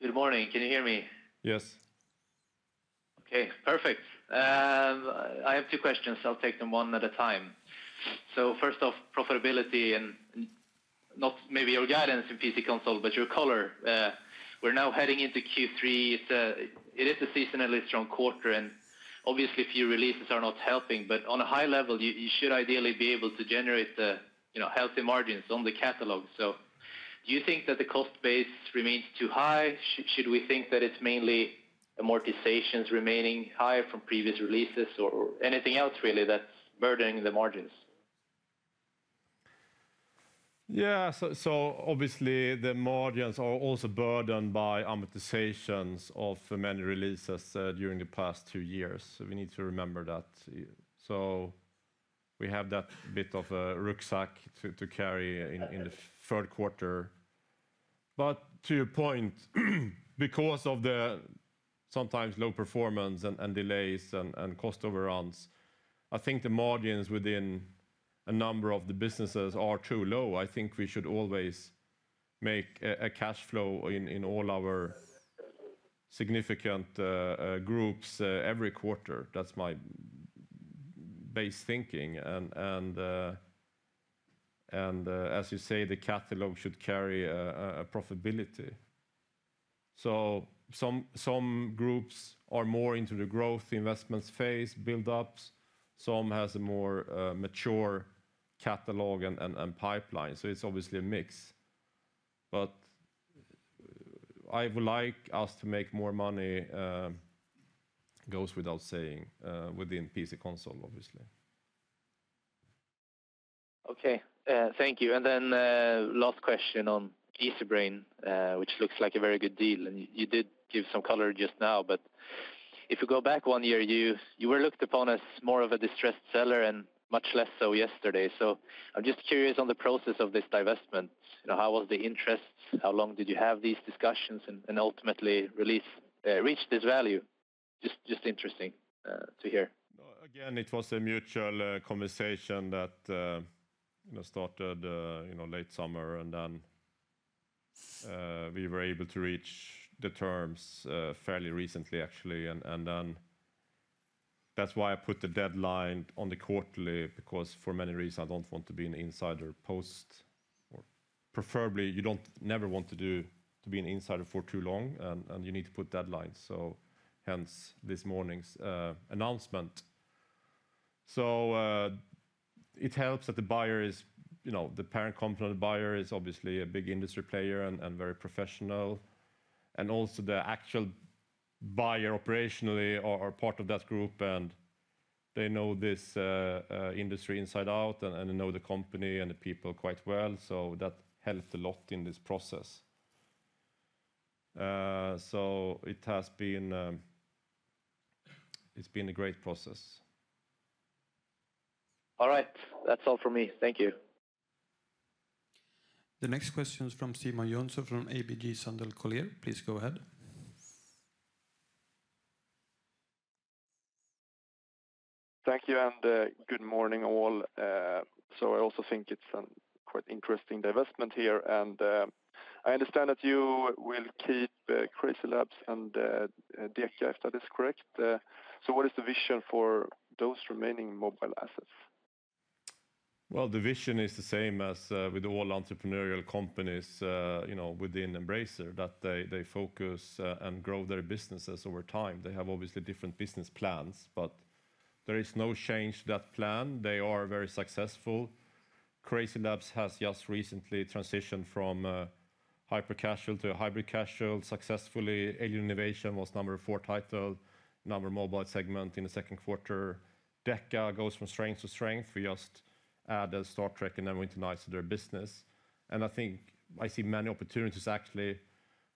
Speaker 5: Good morning. Can you hear me?
Speaker 2: Yes.
Speaker 5: Okay, perfect. I have two questions. I'll take them one at a time. So first off, profitability and not maybe your guidance in PC console, but your color. We're now heading into Q3. It is a seasonally strong quarter, and obviously, a few releases are not helping. But on a high level, you should ideally be able to generate healthy margins on the catalog. So do you think that the cost base remains too high? Should we think that it's mainly amortizations remaining high from previous releases or anything else really that's burdening the margins?
Speaker 2: Yeah, so obviously, the margins are also burdened by amortizations of many releases during the past two years. So we need to remember that, so we have that bit of a rucksack to carry in the third quarter. But to your point, because of the sometimes low performance and delays and cost overruns, I think the margins within a number of the businesses are too low. I think we should always make a cash flow in all our significant groups every quarter. That's my base thinking. And as you say, the catalog should carry a profitability. So some groups are more into the growth investments phase, build-ups. Some have a more mature catalog and pipeline. So it's obviously a mix. But I would like us to make more money goes without saying within PC console, obviously.
Speaker 5: Okay, thank you. And then last question on Easybrain, which looks like a very good deal. And you did give some color just now. But if you go back one year, you were looked upon as more of a distressed seller and much less so yesterday. I'm just curious on the process of this divestment. How was the interest? How long did you have these discussions and ultimately reach this value? Just interesting to hear.
Speaker 2: Again, it was a mutual conversation that started late summer, then we were able to reach the terms fairly recently, actually. That's why I put the deadline on the quarterly, because for many reasons, I don't want to be an insider post. Preferably, you don't never want to be an insider for too long. You need to put deadlines. Hence this morning's announcement. It helps that the parent company of the buyer is obviously a big industry player and very professional. Also the actual buyer operationally are part of that group. They know this industry inside out and know the company and the people quite well. So that helped a lot in this process. So it has been a great process.
Speaker 5: All right, that's all for me. Thank you.
Speaker 1: The next question is from Simon Jönsson from ABG Sundal Collier. Please go ahead.
Speaker 6: Thank you and good morning all. So I also think it's a quite interesting divestment here. And I understand that you will keep CrazyLabs and DECA, if that is correct. So what is the vision for those remaining mobile assets?
Speaker 2: Well, the vision is the same as with all entrepreneurial companies within Embracer, that they focus and grow their businesses over time. They have obviously different business plans, but there is no change to that plan. They are very successful. CrazyLabs has just recently transitioned from hyper-casual to hybrid-casual. Successfully, Alien Invasion was number four title in the mobile segment in the second quarter. DECA goes from strength to strength. We just added Star Trek and then went into their business. And I think I see many opportunities actually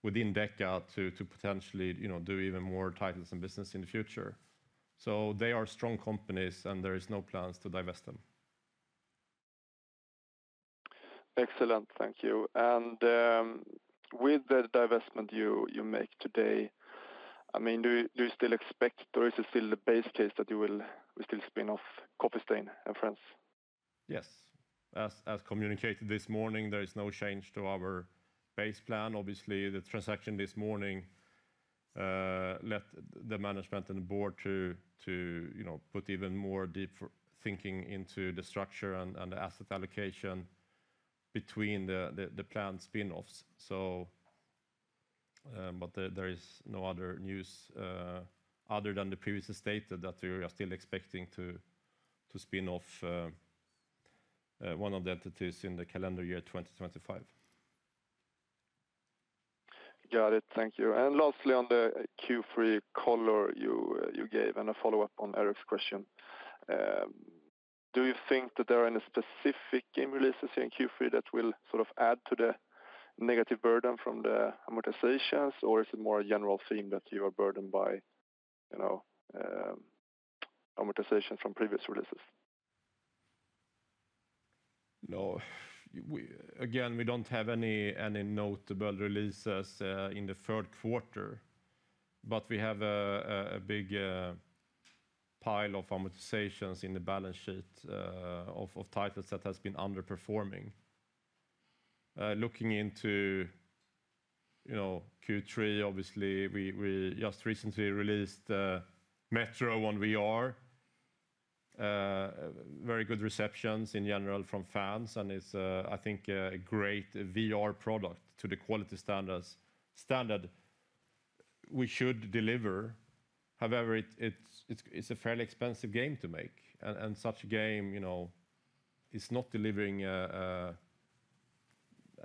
Speaker 2: within DECA to potentially do even more titles and business in the future. So they are strong companies and there are no plans to divest them.
Speaker 6: Excellent, thank you. And with the divestment you make today, I mean, do you still expect or is it still the base case that you will still spin off Coffee Stain and Friends?
Speaker 2: Yes, as communicated this morning, there is no change to our base plan. Obviously, the transaction this morning led the management and the board to put even more deep thinking into the structure and the asset allocation between the planned spinoffs. But there is no other news other than the previously stated that we are still expecting to spin off one of the entities in the calendar year 2025.
Speaker 6: Got it, thank you. And lastly, on the Q3 color you gave and a follow-up on Erik's question, do you think that there are any specific game releases here in Q3 that will sort of add to the negative burden from the amortizations, or is it more a general theme that you are burdened by amortization from previous releases?
Speaker 2: No, again, we don't have any notable releases in the third quarter, but we have a big pile of amortizations in the balance sheet of titles that have been underperforming. Looking into Q3, obviously, we just recently released Metro Awakening on VR. Very good receptions in general from fans. And it's, I think, a great VR product to the quality standard we should deliver. However, it's a fairly expensive game to make. And such a game is not delivering a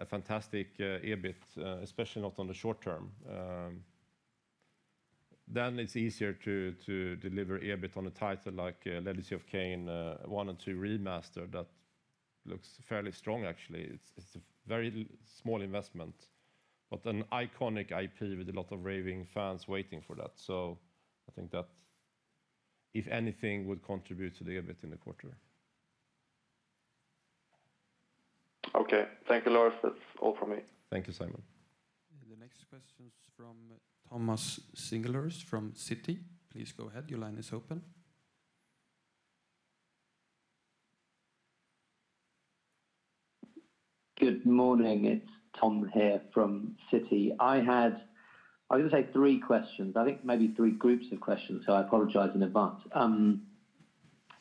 Speaker 2: fantastic EBIT, especially not on the short term. Then it's easier to deliver EBIT on a title like Legacy of Kain 1 & 2 Remastered that looks fairly strong, actually. It's a very small investment, but an iconic IP with a lot of raving fans waiting for that. So I think that, if anything, would contribute to the EBIT in the quarter.
Speaker 6: Okay, thank you, Lars. That's all from me.
Speaker 2: Thank you, Simon.
Speaker 1: The next question is from Thomas Singlehurst from Citi. Please go ahead. Your line is open.
Speaker 7: Good morning. It's Tom here from Citi. I had, I was going to say three questions. I think maybe three groups of questions, so I apologize in advance.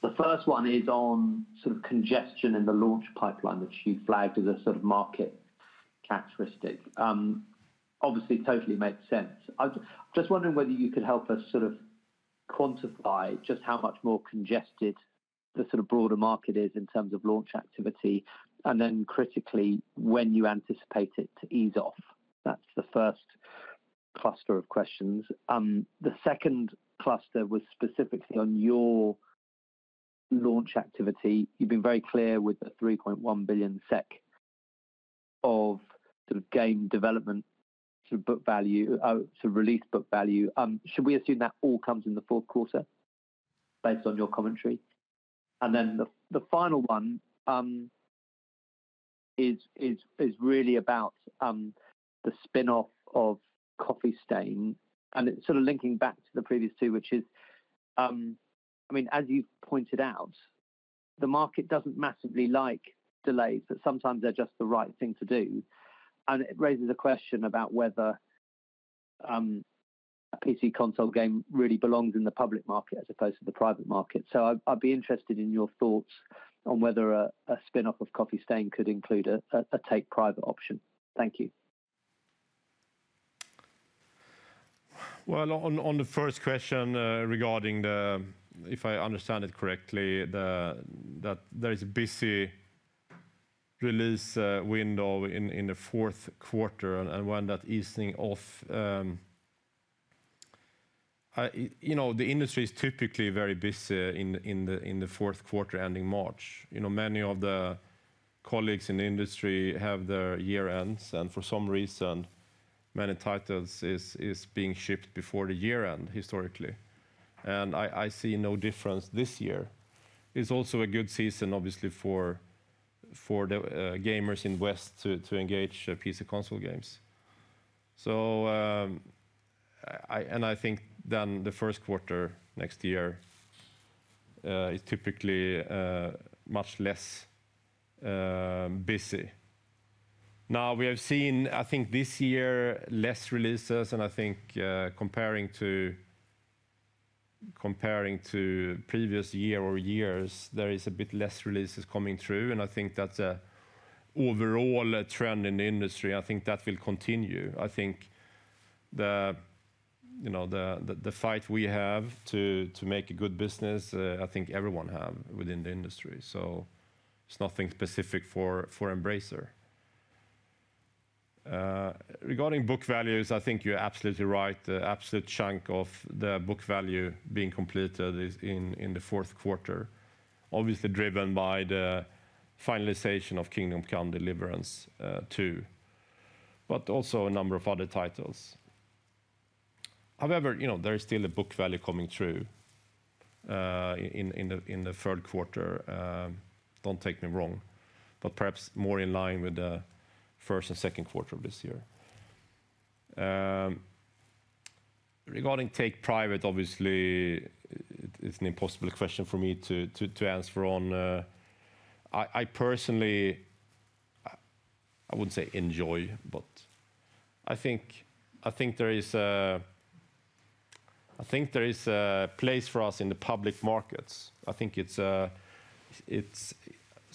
Speaker 7: The first one is on sort of congestion in the launch pipeline, which you flagged as a sort of market characteristic. Obviously, totally makes sense. I'm just wondering whether you could help us sort of quantify just how much more congested the sort of broader market is in terms of launch activity. And then critically, when you anticipate it to ease off. That's the first cluster of questions. The second cluster was specifically on your launch activity. You've been very clear with the 3.1 billion SEK of sort of game development, sort of book value, sort of release book value. Should we assume that all comes in the fourth quarter based on your commentary? And then the final one is really about the spinoff of Coffee Stain. And it's sort of linking back to the previous two, which is, I mean, as you've pointed out, the market doesn't massively like delays, but sometimes they're just the right thing to do. It raises a question about whether a PC console game really belongs in the public market as opposed to the private market. I'd be interested in your thoughts on whether a spinoff of Coffee Stain could include a take-private option. Thank you.
Speaker 2: On the first question regarding the, if I understand it correctly, that there is a busy release window in the fourth quarter and when that easing off. The industry is typically very busy in the fourth quarter ending March. Many of the colleagues in the industry have their year ends. For some reason, many titles are being shipped before the year end historically. I see no difference this year. It's also a good season, obviously, for the gamers in West to engage PC console games. I think then the first quarter next year is typically much less busy. Now, we have seen, I think, this year less releases, and I think comparing to previous year or years, there is a bit less releases coming through. And I think that's an overall trend in the industry. I think that will continue. I think the fight we have to make a good business, I think everyone has within the industry. So it's nothing specific for Embracer. Regarding book values, I think you're absolutely right. Absolute chunk of the book value being completed in the fourth quarter, obviously driven by the finalization of Kingdom Come: Deliverance II, but also a number of other titles. However, there is still a book value coming through in the third quarter. Don't take me wrong, but perhaps more in line with the first and second quarter of this year. Regarding take-private, obviously, it's an impossible question for me to answer on. I personally, I wouldn't say enjoy, but I think there is a place for us in the public markets. I think it's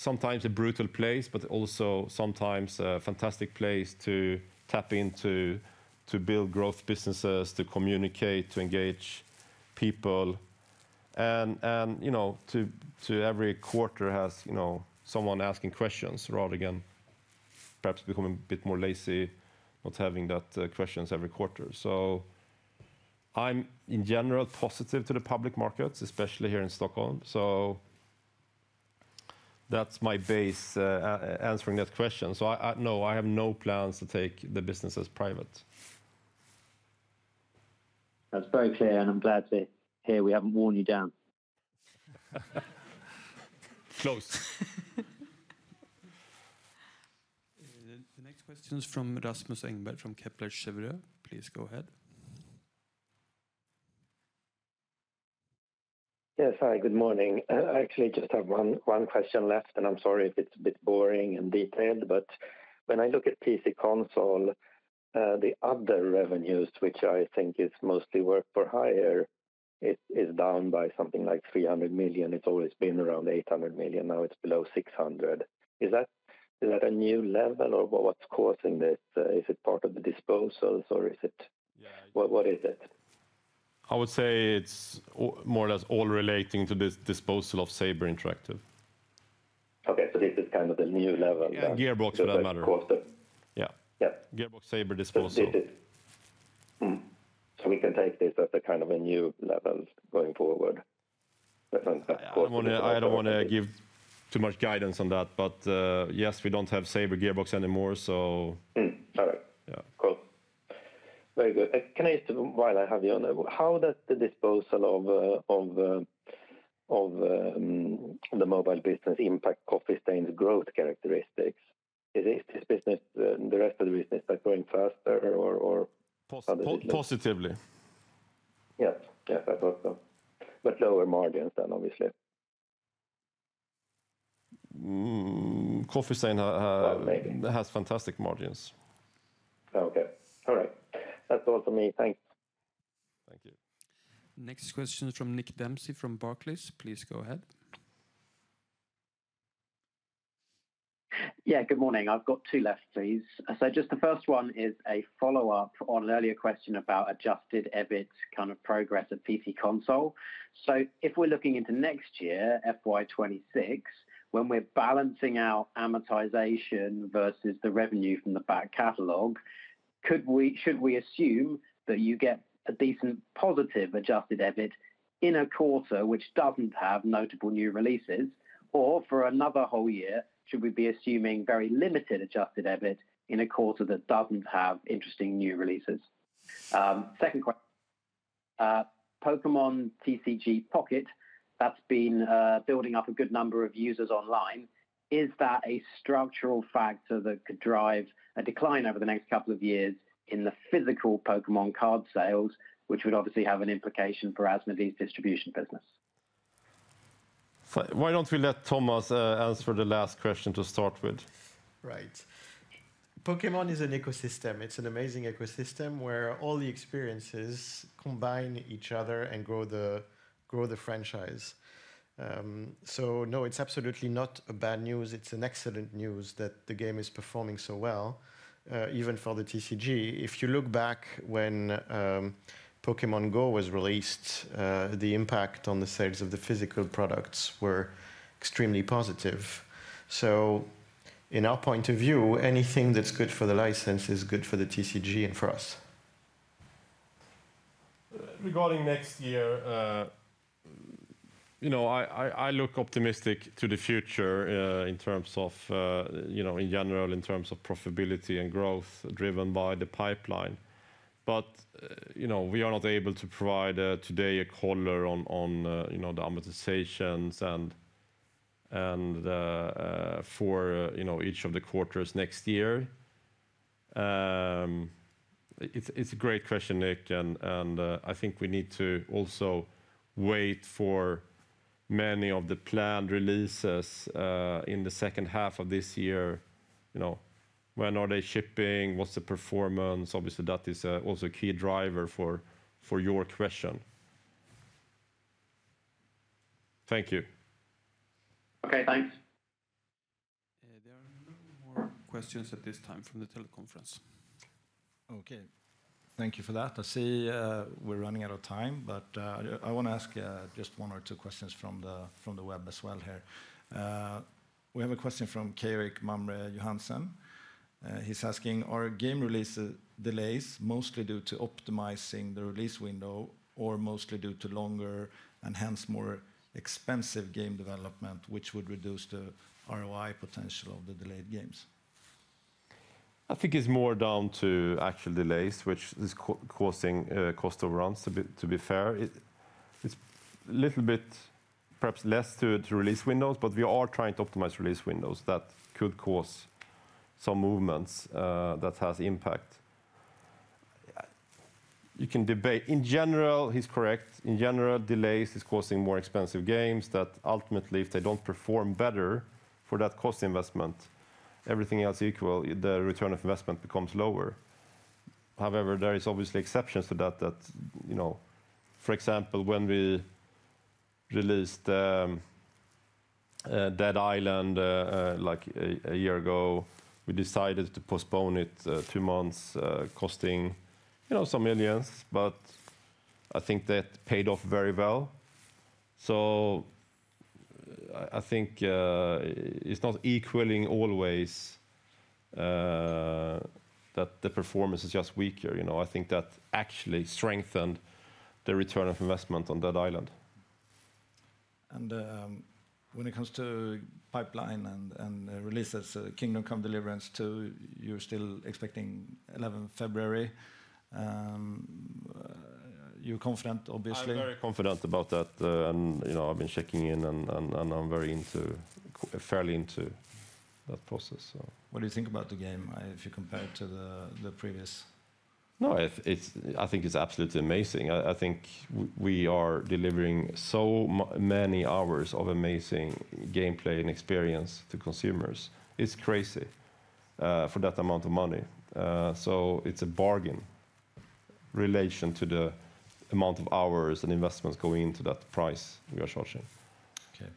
Speaker 2: sometimes a brutal place, but also sometimes a fantastic place to tap into to build growth businesses, to communicate, to engage people. And to every quarter has someone asking questions, rather than perhaps becoming a bit more lazy, not having that questions every quarter. So I'm in general positive to the public markets, especially here in Stockholm. So that's my base answering that question. So no, I have no plans to take the business as private.
Speaker 7: That's very clear. And I'm glad to hear we haven't worn you down.
Speaker 2: Close.
Speaker 1: The next question is from Rasmus Engberg from Kepler Cheuvreux. Please go ahead.
Speaker 8: Yes, hi, good morning. I actually just have one question left. And I'm sorry if it's a bit boring and detailed, but when I look at PC console, the other revenues, which I think is mostly work for hire, is down by something like 300 million. It's always been around 800 million. Now it's below 600 million. Is that a new level or what's causing this? Is it part of the disposals or is it what is it?
Speaker 2: I would say it's more or less all relating to the disposal of Saber Interactive.
Speaker 8: Okay, so this is kind of the new level.
Speaker 2: Yeah, Gearbox of that matter. Yeah, Gearbox Saber disposal.
Speaker 8: So we can take this as a kind of a new level going forward.
Speaker 2: I don't want to give too much guidance on that, but yes, we don't have Saber Gearbox anymore, so.
Speaker 8: All right, cool. Very good. Can I ask while I have you on the how does the disposal of the mobile business impact Coffee Stain's growth characteristics? Is the rest of the business going faster or?
Speaker 2: Positively.
Speaker 8: Yes, yes, I thought so. But lower margins then, obviously.
Speaker 2: Coffee Stain has fantastic margins.
Speaker 8: Okay, all right. That's all for me. Thanks.
Speaker 2: Thank you.
Speaker 1: Next question is from Nick Dempsey from Barclays. Please go ahead.
Speaker 9: Yeah, good morning. I've got two left, please. So just the first one is a follow-up on an earlier question about Adjusted EBIT kind of progress of PC console. So if we're looking into next year, FY26, when we're balancing out amortization versus the revenue from the back catalog, should we assume that you get a decent positive Adjusted EBIT in a quarter which doesn't have notable new releases? Or, for another whole year, should we be assuming very limited Adjusted EBIT in a quarter that doesn't have interesting new releases? Second question, Pokémon TCG Pocket that's been building up a good number of users online, is that a structural factor that could drive a decline over the next couple of years in the physical Pokémon card sales, which would obviously have an implication for Asmodee's distribution business?
Speaker 2: Why don't we let Thomas answer the last question to start with?
Speaker 3: Right. Pokémon is an ecosystem. It's an amazing ecosystem where all the experiences combine each other and grow the franchise. So no, it's absolutely not bad news. It's an excellent news that the game is performing so well, even for the TCG. If you look back when Pokémon Go was released, the impact on the sales of the physical products were extremely positive. So in our point of view, anything that's good for the license is good for the TCG and for us.
Speaker 2: Regarding next year, I look optimistic to the future in terms of, in general, in terms of profitability and growth driven by the pipeline. But we are not able to provide today a color on the amortizations and for each of the quarters next year. It's a great question, Nick. And I think we need to also wait for many of the planned releases in the second half of this year. When are they shipping? What's the performance? Obviously, that is also a key driver for your question. Thank you.
Speaker 9: Okay, thanks.
Speaker 1: There are no more questions at this time from the teleconference.
Speaker 2: Okay, thank you for that.
Speaker 1: I see we're running out of time, but I want to ask just one or two questions from the web as well here. We have a question from Kyrre Mamre Johansen. He's asking, are game release delays mostly due to optimizing the release window or mostly due to longer and hence more expensive game development, which would reduce the ROI potential of the delayed games?
Speaker 2: I think it's more down to actual delays, which is causing cost overruns, to be fair. It's a little bit, perhaps less to release windows, but we are trying to optimize release windows that could cause some movements that have impact. You can debate. In general, he's correct. In general, delays are causing more expensive games that ultimately, if they don't perform better for that cost investment, everything else equal, the return of investment becomes lower. However, there are obviously exceptions to that. For example, when we released Dead Island like a year ago, we decided to postpone it two months, costing some millions, but I think that paid off very well, so I think it's not equaling always that the performance is just weaker. I think that actually strengthened the return on investment on Dead Island.
Speaker 1: And when it comes to pipeline and releases, Kingdom Come: Deliverance II, you're still expecting 11 February. You're confident, obviously.
Speaker 2: I'm very confident about that, and I've been checking in and I'm very familiar with that process.
Speaker 1: What do you think about the game if you compare it to the previous?
Speaker 2: No, I think it's absolutely amazing. I think we are delivering so many hours of amazing gameplay and experience to consumers. It's crazy for that amount of money. So it's a bargain in relation to the amount of hours and investments going into that price we are charging.
Speaker 1: Okay,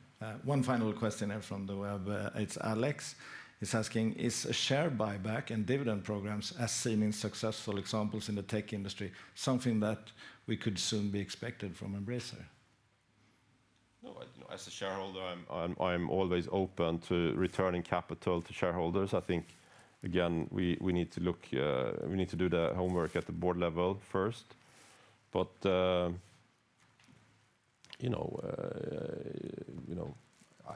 Speaker 1: one final question here from the web. It's Alex. He's asking, is share buyback and dividend programs as seen in successful examples in the tech industry something that we could soon be expected from Embracer?
Speaker 2: No, as a shareholder, I'm always open to returning capital to shareholders. I think, again, we need to look, we need to do the homework at the board level first. But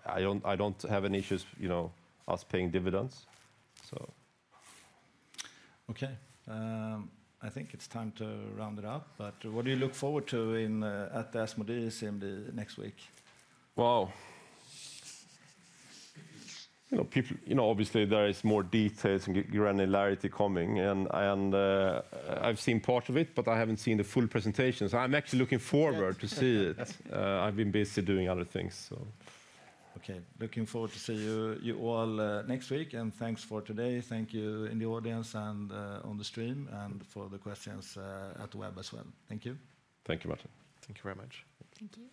Speaker 2: I don't have an issue us paying dividends.
Speaker 1: Okay, I think it's time to round it up. But what do you look forward to at the Asmodee Assembly next week?
Speaker 2: Wow. Obviously, there are more details and granularity coming. And I've seen part of it, but I haven't seen the full presentation. So I'm actually looking forward to seeing it. I've been busy doing other things.
Speaker 1: Okay, looking forward to see you all next week. And thanks for today. Thank you in the audience and on the stream and for the questions at the web as well. Thank you.
Speaker 2: Thank you very much.
Speaker 4: Thank you.